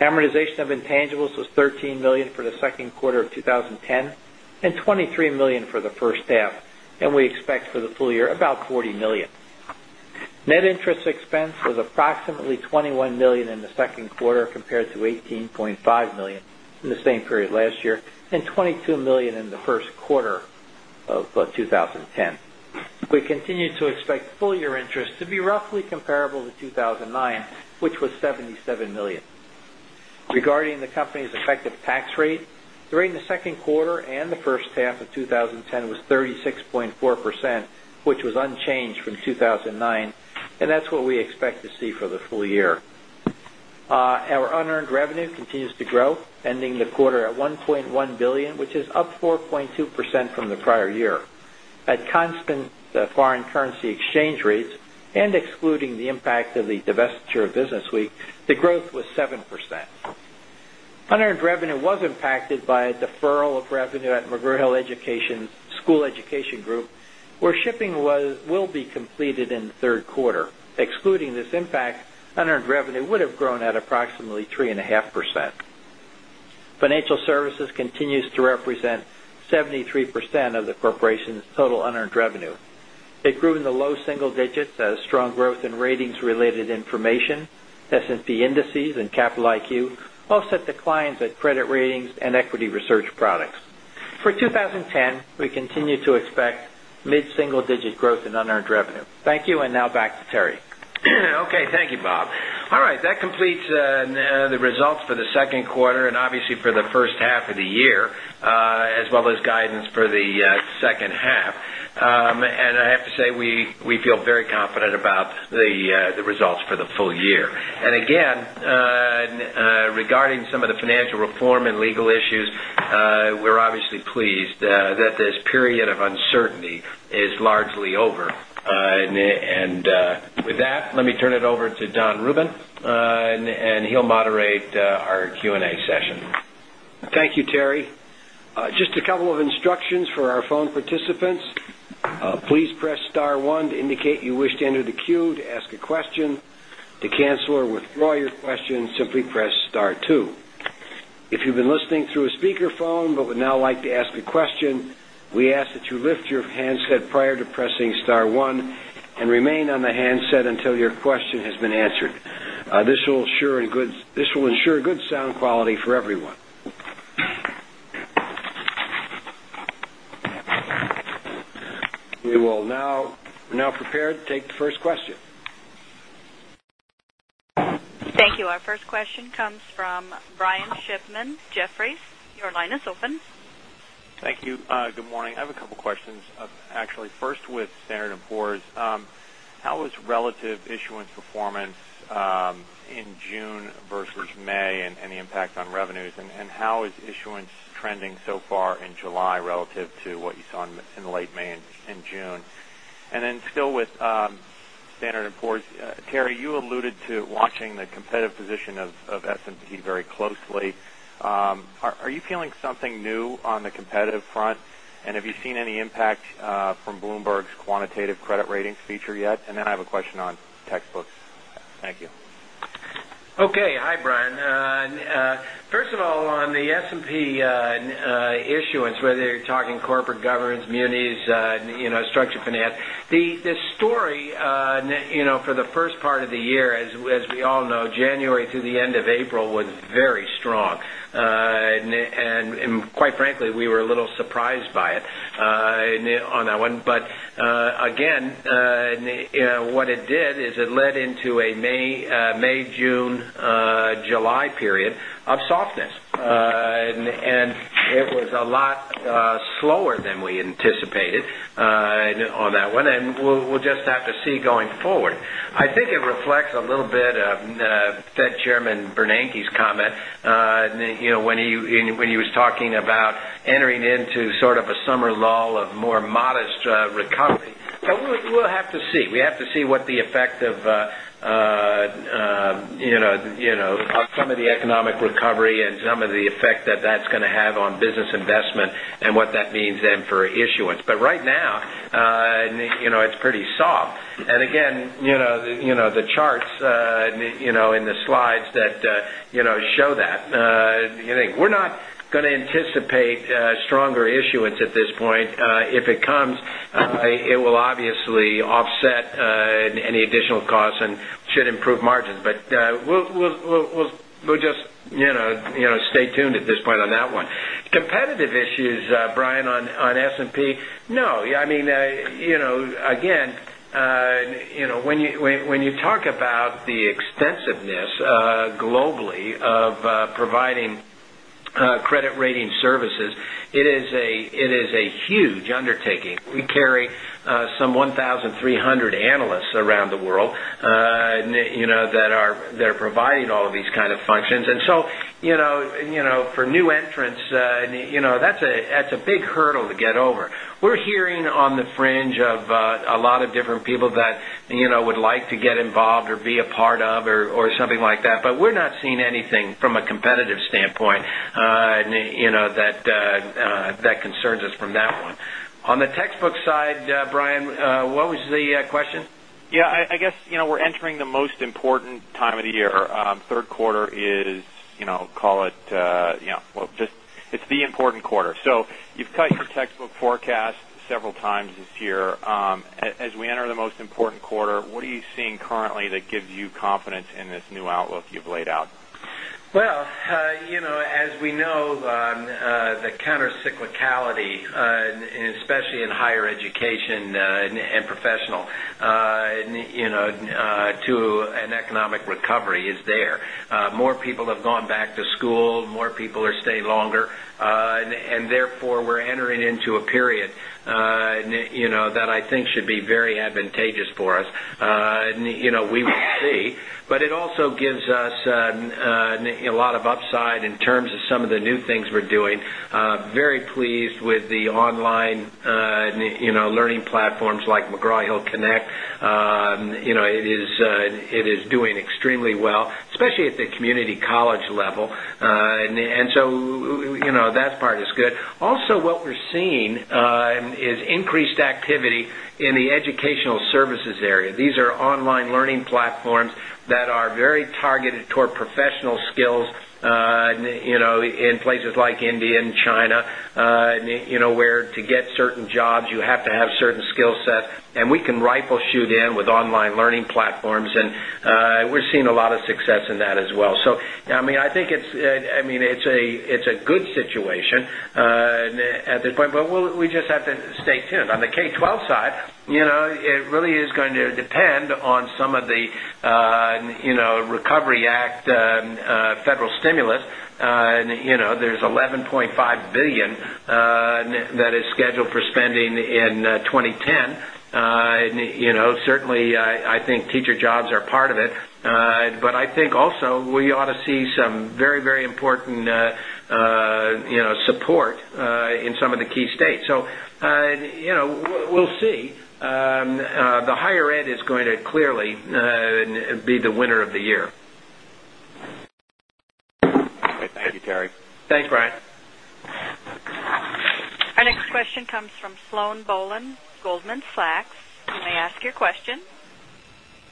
Amortization of intangibles was $13,000,000 for 2nd quarter of $20,000,000 for the first half and we expect for the full year about $40,000,000 Net interest expense was approximately $21,000,000 in the 2nd quarter compared to $18,500,000 in the same period last year and $22,000,000 in Q1 of 2010. We continue to expect full year interest to be roughly comparable to 2,009, which was $77,000,000 Regarding the company's effective tax rate, during the second quarter and the first Half of twenty ten was 36.4 percent, which was unchanged from 2,009 and that's what we expect to see for the full Our unearned revenue continues to grow ending the quarter at $1,100,000,000 which is up 4.2% from the prior At constant foreign currency exchange rates and excluding the impact of the divestiture of Business The growth was 7%. Unearned revenue was impacted by a deferral of revenue at McGraw Hill School Education Group, where shipping will be completed in the 3rd quarter. Excluding this impact, unearned revenue would have grown at Approximately 3.5%. Financial Services continues to represent 73% of the corporation's total unearned Revenue. It grew in the low single digits as strong growth in ratings related information, S and P indices and Capital IQ offset declines at credit Ratings and Equity Research Products. For 2010, we continue to expect mid single digit growth in unearned revenue. Thank you. And now back to Terry. Okay. Thank you, Bob. All right. That completes the results for the Q2 and obviously for the first half of the year, as well as Guidance for the second half. And I have to say, we feel very confident about the results for the full year. And again, Regarding some of the financial reform and legal issues, we're obviously pleased that this period of uncertainty is largely over. And with that, let me turn it over to Don Rubin, and he'll moderate our Q and A session. Thank you, Terry. Just a couple of instructions for our phone participants. This will ensure good sound quality for everyone. We will now we're now prepared to take the first question. Thank you. Our first question comes from Brian Shiffman, Jefferies. Your line is open. Thank you. Good morning. I have a couple of questions actually. First with Standard and Poor's, how was relative issuance performance In June versus May and any impact on revenues and how is issuance trending so far in July relative To what you saw in late May June. And then still with Standard and Poor's, Terry, you alluded To watching the competitive position of S and P very closely, are you feeling something new on the competitive front? And have you seen any Pat from Bloomberg's quantitative credit ratings feature yet. And then I have a question on textbooks. Thank you. Okay. Hi, Brian. First of all, on the S and P issuance, whether you're talking corporate governance, munis, structured finance, The story for the 1st part of the year, as we all know, January through the end of April was very strong. And And quite frankly, we were a little surprised by it on that one. But again, what it did It led into a May, June, July period of softness and it was a lot Slower than we anticipated on that one, and we'll just have to see going forward. I think it reflects a little bit of Fed Chairman Bernanke's comment, when he was talking about entering into sort of a summer lull of more modest We'll have to see. We have to see what the effect of some of the economic recovery and some of the effect that that's Going to have on business investment and what that means then for issuance. But right now, it's pretty soft. And again, the charts In the slides that show that, we're not going to anticipate stronger issuance at this If it comes, it will obviously offset any additional costs and should improve margins, but We'll just stay tuned at this point on that one. Competitive issues, Brian, on S and P, no, I mean, again, When you talk about the extensiveness globally of providing credit rating It is a huge undertaking. We carry some 1300 analysts around the world that are They're providing all of these kind of functions. And so for new entrants, that's a big We're hearing on the fringe of a lot of different people that would like to get involved or be a part of or something like that, but we're not seeing anything From a competitive standpoint, that concerns us from that one. On the textbook side, Brian, what was the question? Yes, I guess, we're entering the most important time of the year. Q3 is, call it, well, just it's the important Quarter. So you've touched your textbook forecast several times this year. As we enter the most important quarter, what are you seeing currently that gives you confidence in this Well, as we know, the countercyclicality, especially in higher education And professional to an economic recovery is there. More people have gone back to school, more people are staying longer, And therefore, we're entering into a period that I think should be very advantageous for us. We will see, But it also gives us a lot of upside in terms of some of the new things we're doing. Very pleased with the Online learning platforms like McGraw Hill Connect, it is doing extremely well, Especially at the community college level, and so that part is good. Also what we're seeing is increased In the educational services area, these are online learning platforms that are very targeted toward professional skills In places like India and China, where to get certain jobs, you have to have certain skill sets and we can rifle shoot in with online learning And we're seeing a lot of success in that as well. So I mean, I think it's a good situation At this point, we just have to stay tuned. On the K-twelve side, it really is going to depend on some of the Recovery Act federal stimulus, there is $11,500,000,000 That is scheduled for spending in 2010. Certainly, I think teacher jobs are part of it. But I think also we ought to see some very, very important support in some of the key states. We'll see. The higher end is going to clearly be the winner of the year. Thank you, Terry. Thanks, Brian. Our next question comes from Sloane Bolen, Goldman Sachs. You I ask your question?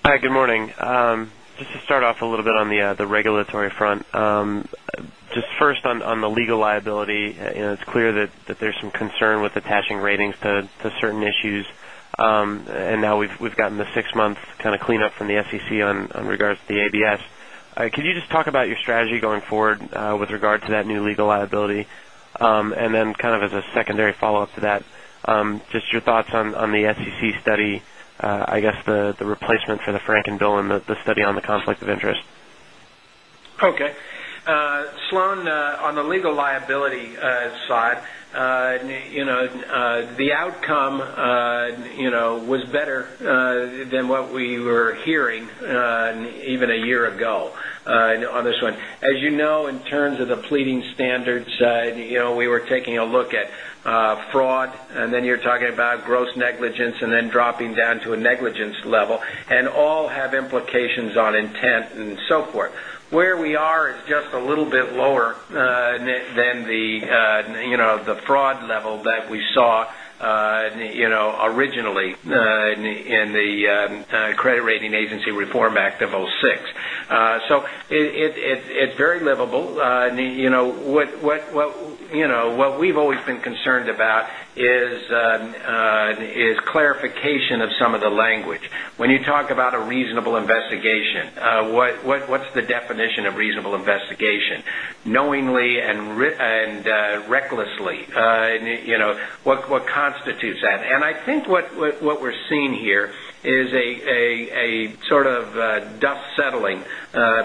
Hi, good morning. Just to start off a little bit on the regulatory front. Just first on the legal liability, it's clear that there's some concern with attaching ratings to certain issues and now we've gotten the Next month kind of cleanup from the SEC on regards to the ABS. Could you just talk about your strategy going forward with regard to that new legal liability? And then kind of as a secondary follow-up to that, just your thoughts on the SEC study, I guess the replacement for the frankenbill and study on the conflict of interest. Okay. Sloane, on the legal liability side, The outcome was better than what we were Hearing even a year ago on this one. As you know, in terms of the pleading standards, we were taking a look at Fraud and then you're talking about gross negligence and then dropping down to a negligence level and all have locations on intent and so forth. Where we are is just a little bit lower than the fraud level that We saw originally in the Credit Rating Agency Reform Act of 'six. So It's very livable. What we've always been concerned about It's clarification of some of the language. When you talk about a reasonable investigation, what's the definition of Understandably and recklessly, what constitutes that? And I think what we're seeing here It is a sort of dust settling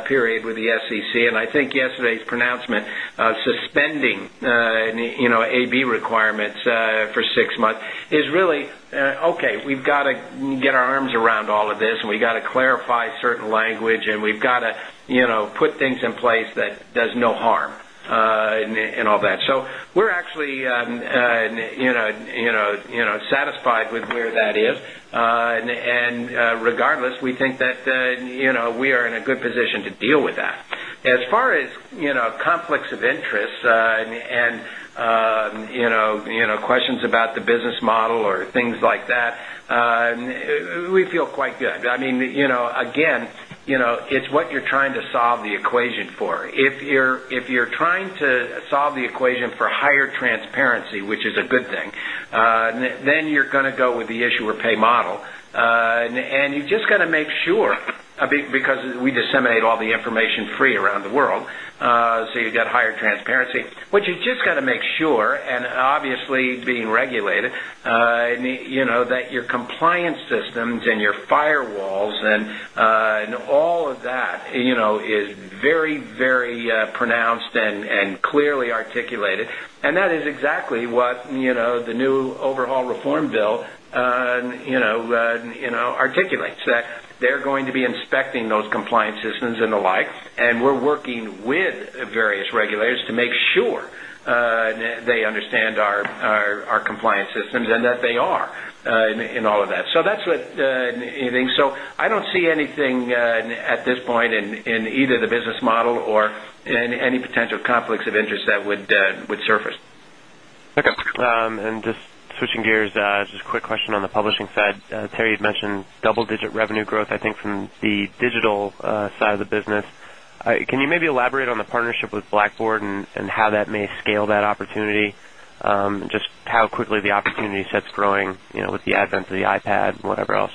period with the SEC, and I think yesterday's pronouncement of suspending AB Suspending AB requirements for 6 months is really, okay, we've got to get our arms around all of this, We got to clarify certain language and we've got to put things in place that does no harm and all that. So we're actually Satisfied with where that is. And regardless, we think that we are in a good position to deal with that. As far as conflicts of interest and questions about The business model or things like that, we feel quite good. I mean, again, it's what you're trying to solve If you're trying to solve the equation for higher transparency, which is a good thing, then you're going to go with the issuer pay model. And you just got to make sure, because we disseminate all the information free around the world, so you got higher Transparency. What you just got to make sure and obviously being regulated that your compliance systems and your Firewalls and all of that is very, very pronounced and clearly articulated. And that is exactly what the new overhaul reform bill articulates that they're going to be Expecting those compliance systems and the like, and we're working with various regulators to make sure they understand Our compliance systems and that they are in all of that. So that's what anything. So I don't see anything at this point in either the business model or And any potential conflicts of interest that would surface. Okay. And just switching gears, just a quick question on the publishing side. Terry, you had Double digit revenue growth I think from the digital side of the business. Can you maybe elaborate on the partnership with And how that may scale that opportunity, just how quickly the opportunity sets growing with the advent of the iPad, whatever else?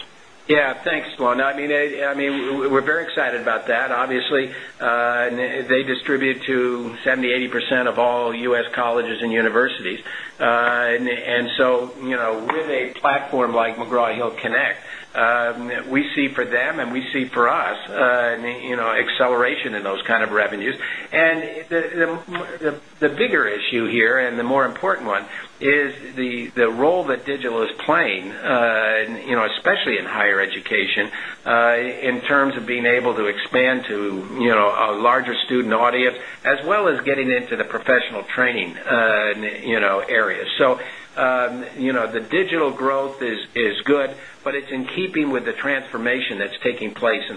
Yes. Thanks, Glenn. I mean, we're very excited about that. Obviously, they distribute to 70%, 80% of all U. S. Colleges and universities. And so with a platform like McGraw Hill Connect, we see for them and we see for us acceleration And the bigger issue here and the more important one is the role that digital is playing, Especially in higher education, in terms of being able to expand to a larger student audience as well as getting into the professional training And areas. So the digital growth is good, but it's in keeping with the transformation that's taking place We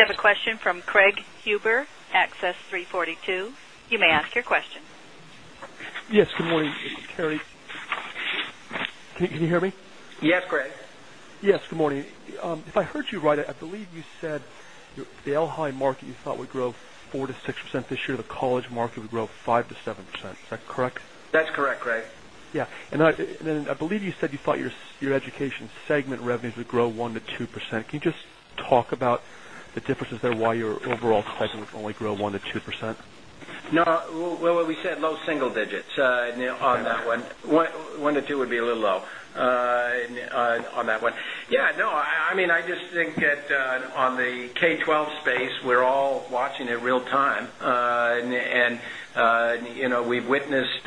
have a question from Craig Huber, Access 3 42. You may ask your question. Yes. Good morning, Terry. Can you hear me? Yes, Greg. Yes, good morning. If I heard you right, I believe you said The Elhigh market you thought would grow 4% to 6% this year, the college market would grow 5% to 7%. Is that correct? That's correct, Craig. Yes. And then I believe you said you thought your Education segment revenues would grow 1% to 2%. Can you just talk about the differences there why your overall Like grow 1% to 2%. No. Well, we said low single digits on that one. 1% to 2% would be a little low On that one. Yes, no, I mean, I just think that on the K-twelve space, we're all watching it real time. And we've witnessed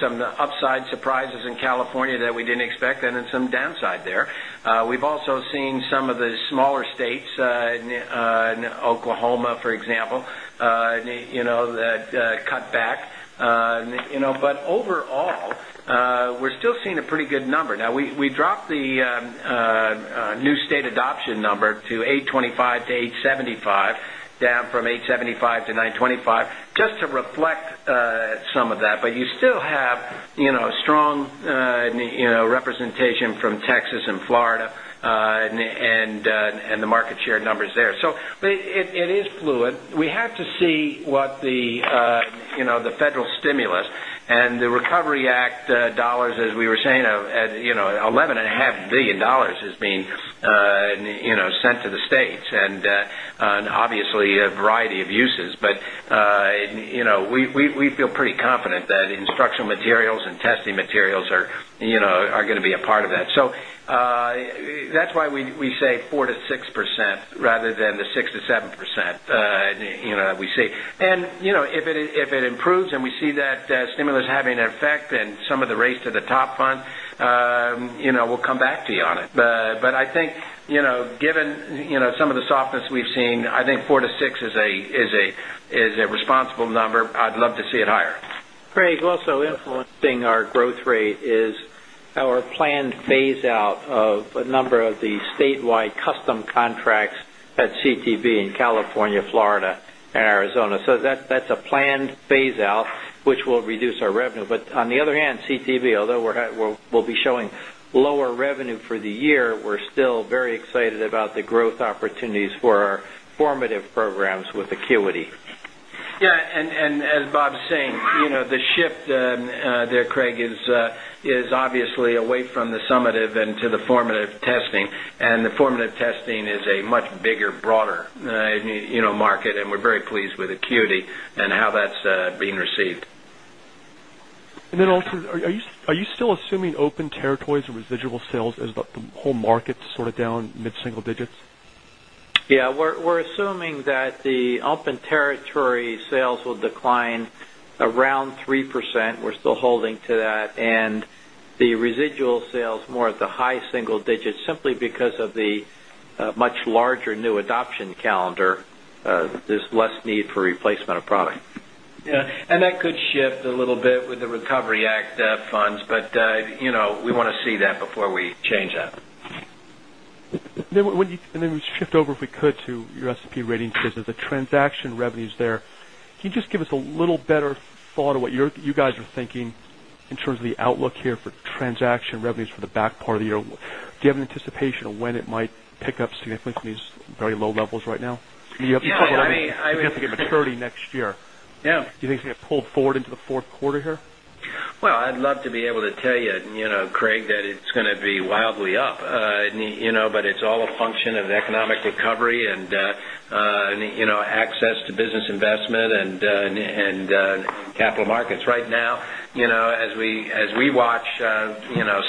some upside surprises in California that we didn't expect and then some downside there. We've also seen some of the Smaller states, Oklahoma, for example, that cut back. But overall, We're still seeing a pretty good number. Now we dropped the new state adoption number to 8.25 to 8.75, down from 8.75 This is in Florida and the market share numbers there. So it is fluid. We have to see What the federal stimulus and the Recovery Act dollars as we were saying, dollars 11,500,000,000 It's been sent to the states and obviously a variety of uses, but we feel pretty Confident that instructional materials and testing materials are going to be a part of that. So that's why we say 4% to 6% rather than the 6% 7% that we see. And if it improves and we see that stimulus having an effect and some of The race to the top fund, we'll come back to you on it. But I think given some of the softness we've seen, I think 4% to 6% is a responsible number. I'd love to see it higher. Craig, also influencing our growth rate Our planned phase out of a number of the statewide custom contracts at CTV in California, Florida and So that's a planned phase out, which will reduce our revenue. But on the other hand, CTV, although we'll be showing Lower revenue for the year, we're still very excited about the growth opportunities for our formative programs with Acuity. Yes. And as Bob Same. The shift there, Craig, is obviously away from the summative and to the formative testing. And the formative testing is a Bigger, broader market and we're very pleased with Acuity and how that's been received. And then also, Are you still assuming open territories residual sales as the whole market sort of down mid single digits? Yes, we're assuming That the open territory sales will decline around 3%. We're still holding to that and the residual sales more at the high Single digits simply because of the much larger new adoption calendar, there's less need for replacement of product. Yes. And that could shift A little bit with the Recovery Act funds, but we want to see that before we change that. And then we shift over if we could to your S and P ratings business, the transaction revenues there. Can you just give us a little better thought of what you guys are thinking in In terms of the outlook here for transaction revenues for the back part of the year, do you have an anticipation of when it might pick up significantly in these very low levels right now? Do you have I think maturity next year. Do you think we're going to pull forward into the Q4 here? Well, I'd love to be able to tell you, Craig, that it's going to be wildly up, But it's all a function of the economic recovery and access to business investment And Capital Markets, right now, as we watch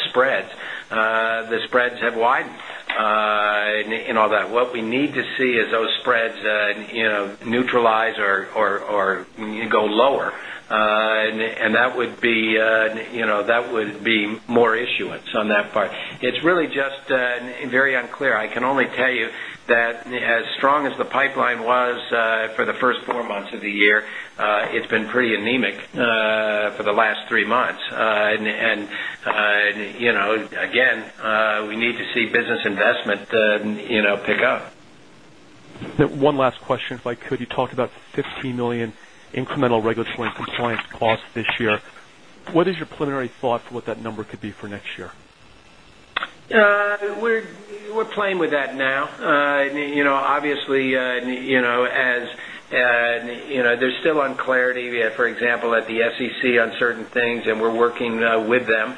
spreads, The spreads have widened in all that. What we need to see is those spreads neutralize Or go lower, and that would be more issuance on that part. It's really just Very unclear. I can only tell you that as strong as the pipeline was for the 1st 4 months of the year, it's been pretty anemic For the last 3 months. And again, we need to see business investment And I'll pick up. One last question, if I could. You talked about $15,000,000 incremental regulatory compliance costs this year. What is your preliminary thought for what that number could be for next year? We're playing with that now. Obviously, as there's still unclarity, for example, at the SEC on Certain things and we're working with them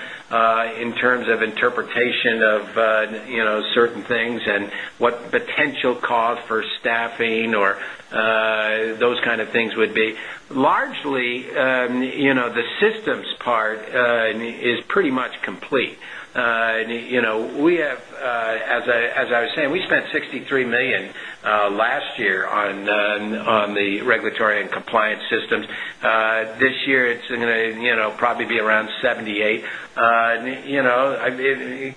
in terms of interpretation of certain things and what potential cause for staffing or Those kind of things would be largely the systems part It's pretty much complete. We have as I was saying, we spent $63,000,000 last year And on the regulatory and compliance systems, this year, it's going to probably be around 78.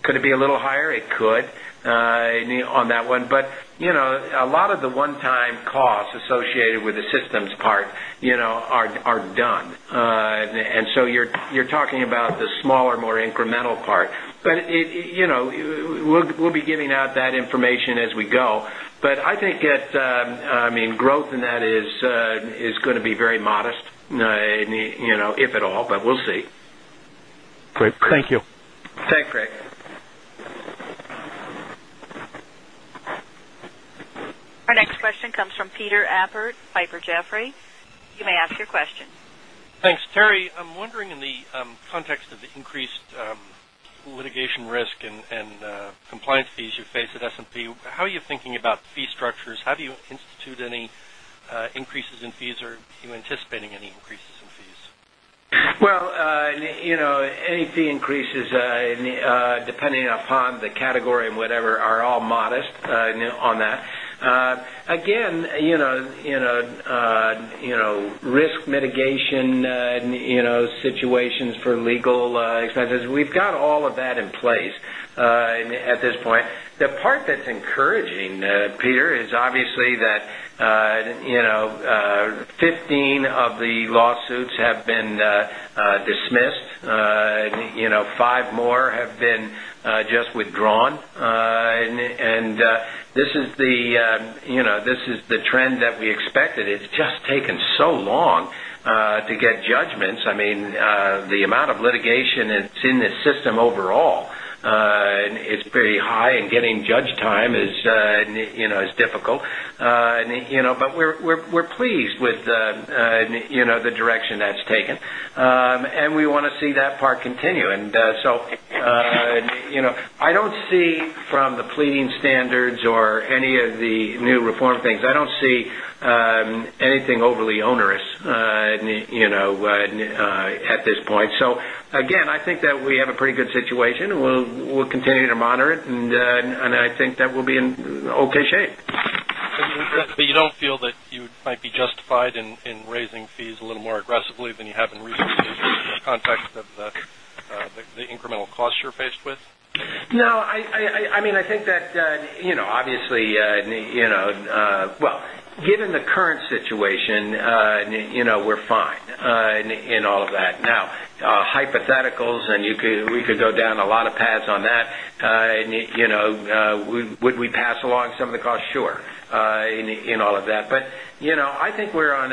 Could it be a little higher? It could on that one. But a lot of the one Time costs associated with the systems part are done. And so you're talking about the smaller, more incremental part. We'll be giving out that information as we go. But I think it's I mean growth in that It's going to be very modest, if at all, but we'll see. Great. Thank you. Our next question comes from Peter Appert, Piper Jaffray. You may ask your question. Thanks. Terry, I'm wondering in the context of the increased litigation risk and Compliance fees you face at S and P, how are you thinking about fee structures? How do you institute any increases in fees? Or are you anticipating any increases in fees? Well, any fee increases depending upon the category and whatever are all modest On that, again, risk mitigation situations for legal Expenses, we've got all of that in place at this point. The part that's encouraging, Peter, is obviously that 15 of the lawsuits have been dismissed, 5 more Have been just withdrawn and this is the trend that we expect. It's just taken so long to get judgments. I mean, the amount of litigation is in this system overall. It's pretty high and getting judge time is difficult, but we're pleased with You know the direction that's taken. And we want to see that part continue. And so I don't see from On the pleading standards or any of the new reform things, I don't see anything overly onerous At this point, so again, I think that we have a pretty good situation. We'll continue to monitor And I think that we'll be in okay shape. But you don't feel that you might be justified in raising fees a little more aggressively than you have in recent In context of the incremental cost you're faced with? No, I mean, I think that obviously Well, given the current situation, we're fine in all of that. Now hypotheticals We could go down a lot of pads on that. Would we pass along some of the costs? Sure, In all of that, but I think we're on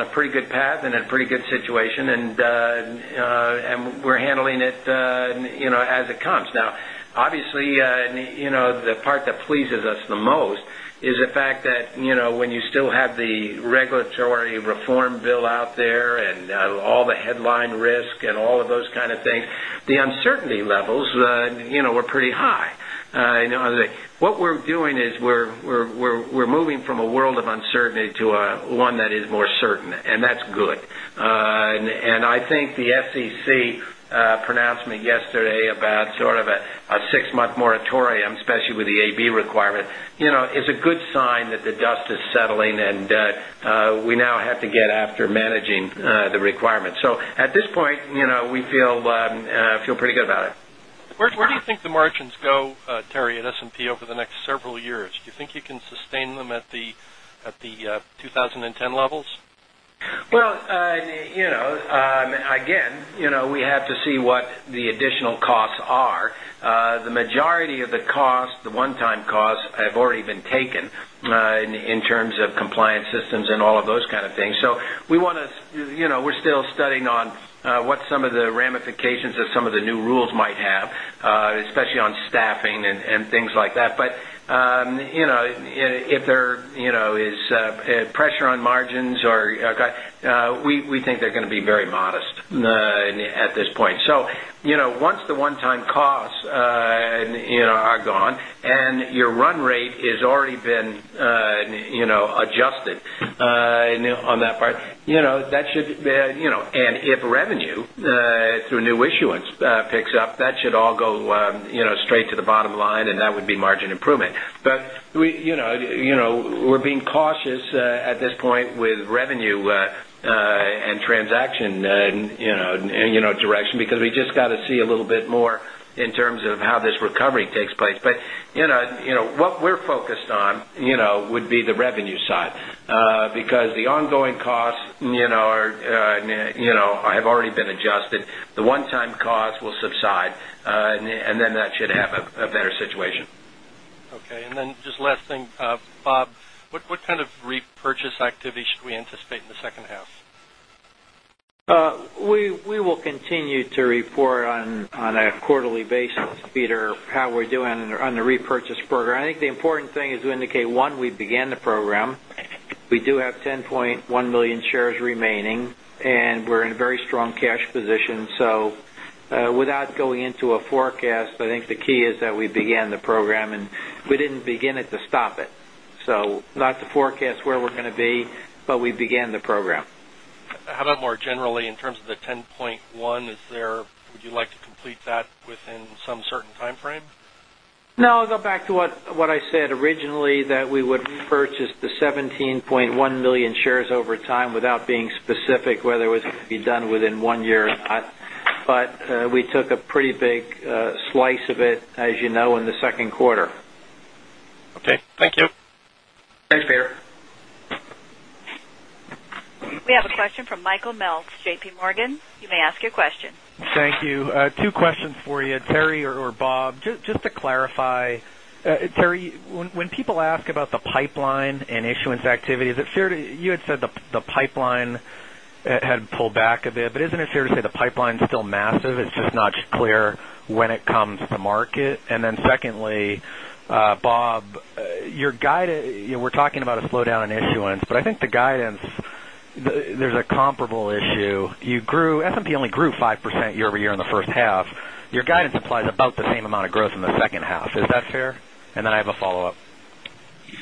a pretty good path and in a pretty good situation and we're handling it as it Now obviously, the part that pleases us the most is the fact that when you still have the regulatory Reform bill out there and all the headline risk and all of those kind of things, the uncertainty levels We're pretty high. What we're doing is we're moving from a world of uncertainty to one that is more certain And that's good. And I think the SEC pronounced me yesterday about sort of a 6 month moratorium, especially With the AB requirement, it's a good sign that the dust is settling and we now have to get after managing the So at this point, we feel pretty good about it. Where do you think the margins go, Terry, at S and P over the Several years, do you think you can sustain them at the 2010 levels? Well, again, we have to See what the additional costs are. The majority of the cost, the one time costs have already been taken in In terms of compliance systems and all of those kind of things. So we want to we're still studying on what some of the ramifications of some of the new rules might Yes, especially on staffing and things like that. But if there is pressure On margins, we think they're going to be very modest at this point. So once the one time costs And your run rate has already been adjusted on that part. That And if revenue through new issuance picks up, that should all go straight to the bottom line and that would be But we're being cautious at this point with revenue And transaction direction because we just got to see a little bit more in terms of how this recovery takes place. But what we're focused Would be the revenue side, because the ongoing costs are have already been Justin, the one time cause will subside and then that should have a better situation. Okay. And then just last thing, Bob, what kind of repurchase activity should we anticipate in the second half? I'm Purchase activity should we anticipate in the second half? We will continue to report on a quarterly basis, Peter, how we're doing on the repurchase program. I think the important thing is to indicate, 1, we began the program. We do have 10,100,000 Shares remaining and we're in a very strong cash position. So without going into a forecast, I think the key is that we began the program and We didn't begin it to stop it. So not to forecast where we're going to be, but we began the program. How about more generally in terms of the 10 point 1, is there would you like to complete that within some certain timeframe? No, I'll go back to what I said originally that we would purchase the 17,100,000 shares over time without being specific, whether it was $18,100,000 shares over time without being specific whether it was to be done within 1 year or not, but we took a pretty big Slice of it, as you know, in the Q2. Okay. Thank you. Thanks, Peter. We have To clarify, Terry, when people ask about the pipeline and issuance activity, is it fair to you had said the pipeline had pulled back But isn't it fair to say the pipeline is still massive, it's just not clear when it comes to market? And then secondly, Bob, your guide we're talking about a slowdown in issuance, but I think the guidance there's a comparable issue. You grew S and P only grew 5% year Your guidance implies about the same amount of growth in the second half. Is that fair? And then I have a follow-up.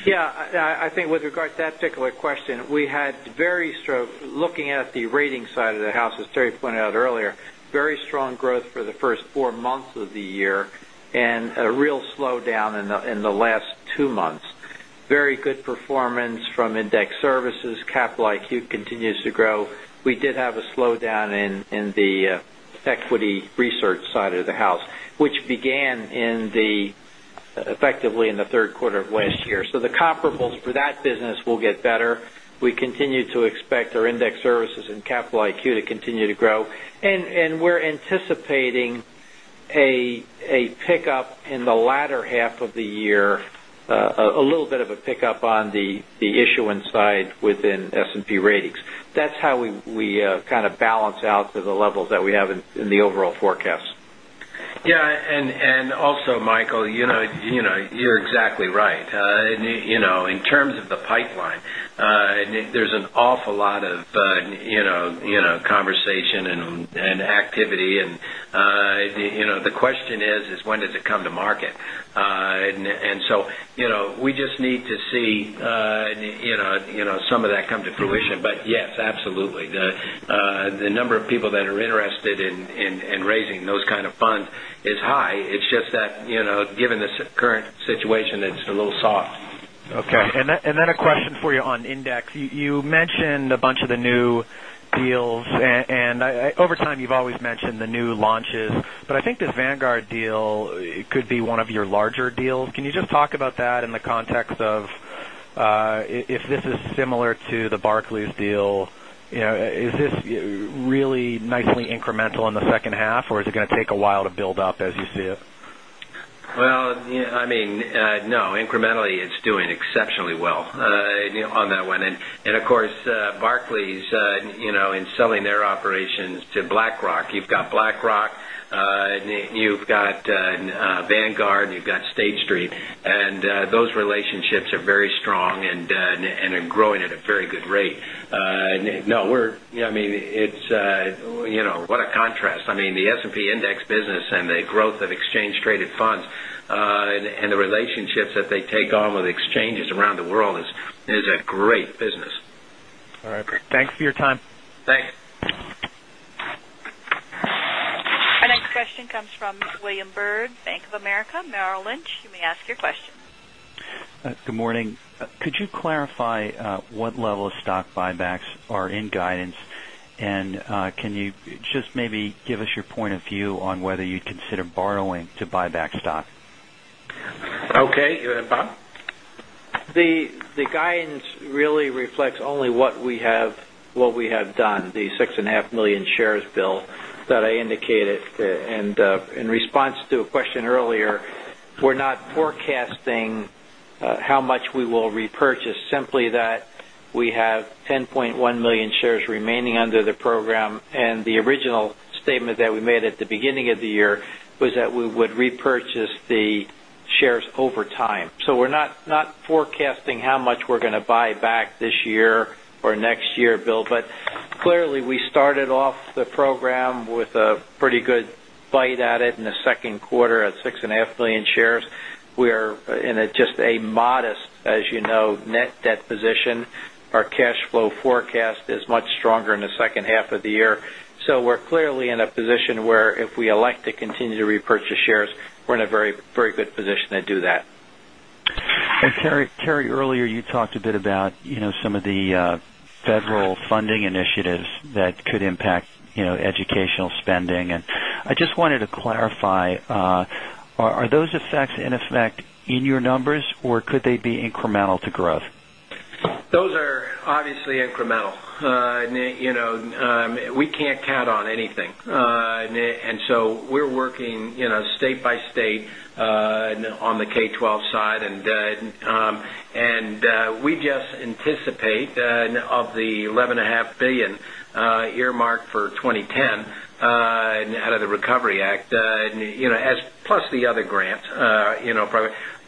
Yes. I think with regard That particular question, we had very looking at the rating side of the house, as Terry pointed out earlier, very strong growth for the 1st 4 months of the year And a real slowdown in the last 2 months, very good performance from index services, Capital IQ continues We did have a slowdown in the equity research side of the house, which began in the effectively in the Q3 of So the comparables for that business will get better. We continue to expect our index services and Capital IQ to continue to grow. And a pickup in the latter half of the year, a little bit of a pickup on the issuance side within S That's how we kind of balance out to the levels that we have in the overall forecast. Yes. And also, You're exactly right. In terms of the pipeline, there's an awful lot of conversation and activity. And the And activity and the question is, is when does it come to market. And so we just need to see some of that come to fruition, but yes, absolutely. The number of people that are interested in raising those kind of funds is high. It's just that given the current situation, it's a little Okay. And then a question for you on index. You mentioned a bunch of the new deals and over You've always mentioned the new launches, but I think the Vanguard deal, it could be one of your larger deals. Can you just talk about that in the context of if this is similar to the Barclays, Exov, if this is similar to the Barclays deal, is this really nicely Incremental in the second half or is it going to take a while to build up as you see it? Well, I mean, no, incrementally it's doing exceptionally well Neil, on that one. And of course, Barclays in selling their operations to BlackRock, you've got BlackRock, you've got Vanguard, you've got State Street and those relationships are very strong and are growing at a very good rate. No, we're I mean, it's what a contrast. I mean, the S and P index business and the growth of exchange traded funds And the relationships that they take on with exchanges around the world is a great business. All right. Thanks for your time. Thanks. Our next question comes from William Byrd, Bank of America Merrill Lynch. You may ask your question. Good morning. Could you clarify what level of stock buybacks are in guidance? And can you just maybe Give us your point of view on whether you'd consider borrowing to buy back stock. Okay. Bob? The guidance really reflects Only what we have done, the 6,500,000 shares, Bill, that I indicated. And in response to a question earlier, We're not forecasting how much we will repurchase, simply that we have 10 point Just the shares over time. So we're not forecasting how much we're going to buy back this year or next Bill, but clearly we started off the program with a pretty good bite at it in the second quarter at 6,500,000 We are in just a modest as you know net debt position. Our cash flow forecast It's much stronger in the second half of the year. So we're clearly in a position where if we elect to continue to repurchase shares, we're in a very good position to Do that. And Terry, earlier you talked a bit about some of the federal funding initiatives that could impact educational I just wanted to clarify, are those effects in effect in your numbers or could they be incremental to growth? Those are obviously incremental. We can't count on anything. And so We're working state by state on the K-twelve side and we just anticipate of the 11 $500,000,000 earmarked for 2010 and out of the Recovery Act as plus the other grant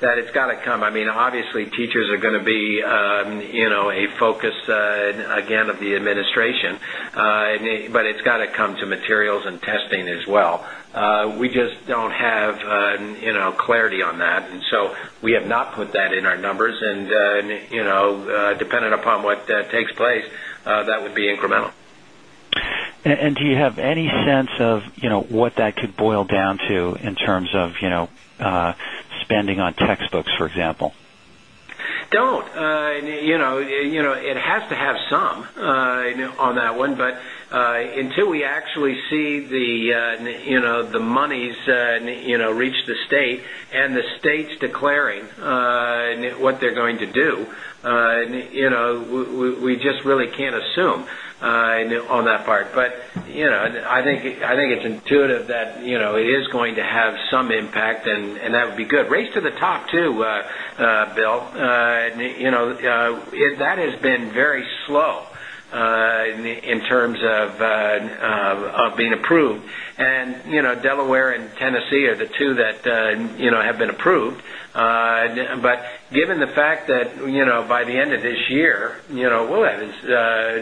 That it's got to come. I mean, obviously, teachers are going to be a focus again of the administration, But it's got to come to materials and testing as well. We just don't have clarity on that. And so we have not put that in our numbers and dependent upon what takes place, that would be And do you have any sense of what that could boil down to in terms of spending on textbooks, for example? Don't. It has to have some on that one, but until we We see the monies reach the state and the state's declaring What they're going to do, we just really can't assume on that part, but I think it's intuitive that It is going to have some impact and that would be good. Race to the top too, Bill. That has been very slow in terms of being approved. And Delaware and Tennessee are the 2 that have been approved. But given the fact that by the end of this year, we'll have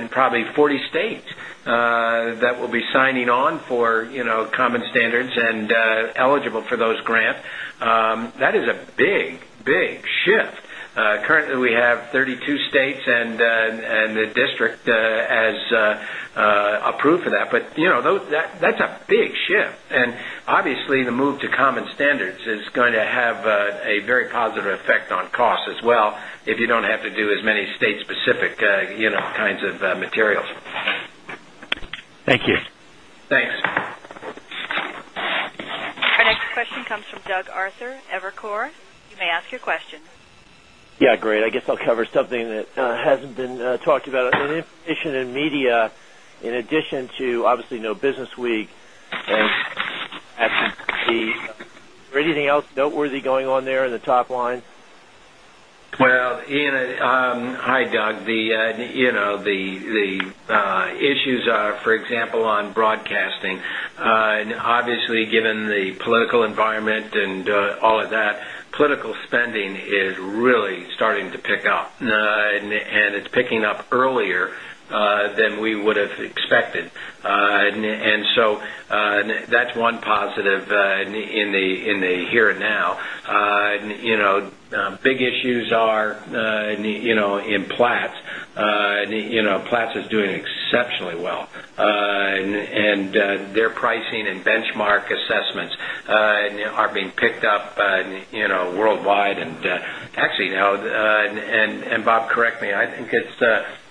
In probably 40 states that will be signing on for common standards and eligible for those Grant, that is a big, big shift. Currently, we have 32 states and the district has Approved for that, but that's a big shift. And obviously, the move to common standards is going to have a very positive effect on cost As well, if you don't have to do as many state specific kinds of materials. Thank you. Thanks. Our next question comes from Doug Arthur, Evercore. You may ask your question. Yes, great. I guess I'll cover something that hasn't been talked about. Any information in media in addition to obviously no business week and Anything else noteworthy going on there in the top line? Well, Ian, Hi, Doug. The issues are, for example, on broadcasting, Given the political environment and all of that, political spending is really starting to pick up and it's picking up earlier Than we would have expected. And so that's one positive in the here and Now big issues are in Platts. Platts Doing exceptionally well. And their pricing and benchmark assessments are being picked up worldwide. And actually, no, and Bob, correct me, I think it's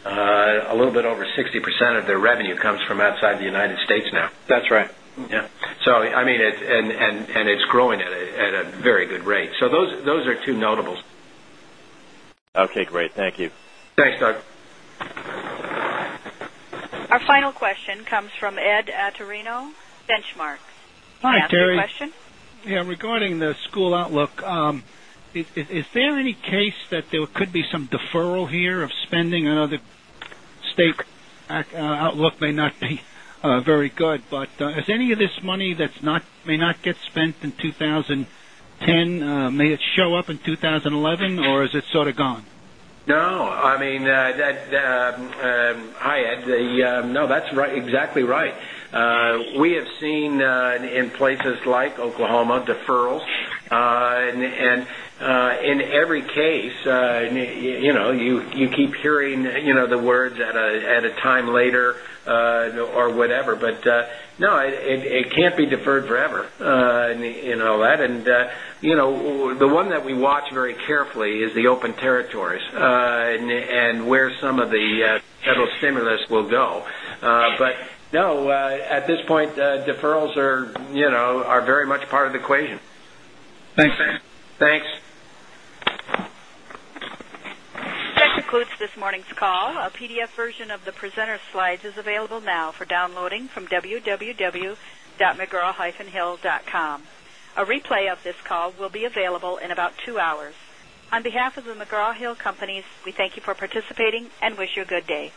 a little bit over 60% of their revenue comes From outside the United States now? That's right. Yes. So I mean it's and it's growing at a very good rate. So those are 2 notables. Okay, great. Thank you. Thanks, Doug. Our final question comes from Ed Aterino, Benchmark. Hi, Terry. Yes, regarding the school outlook, is there any case that there could be some deferral here of spending another And may it show up in 2011 or is it sort of gone? No. I mean, that's hi, Ed. No, that's right exactly right. We have seen in places like Oklahoma deferrals. And in every case, You keep hearing the words at a time later or whatever, but no, it can't be deferred forever And the one that we watch very carefully is the open territories And where some of the federal stimulus will go. But no, at this point, deferrals That This concludes this morning's call. A PDF version of the presenter slides is available now for downloading from www.mcgraw hill.com. A replay of this call will be available in about 2 hours. On behalf of the McGraw Hill Companies, we thank you for participating and wish you a good day.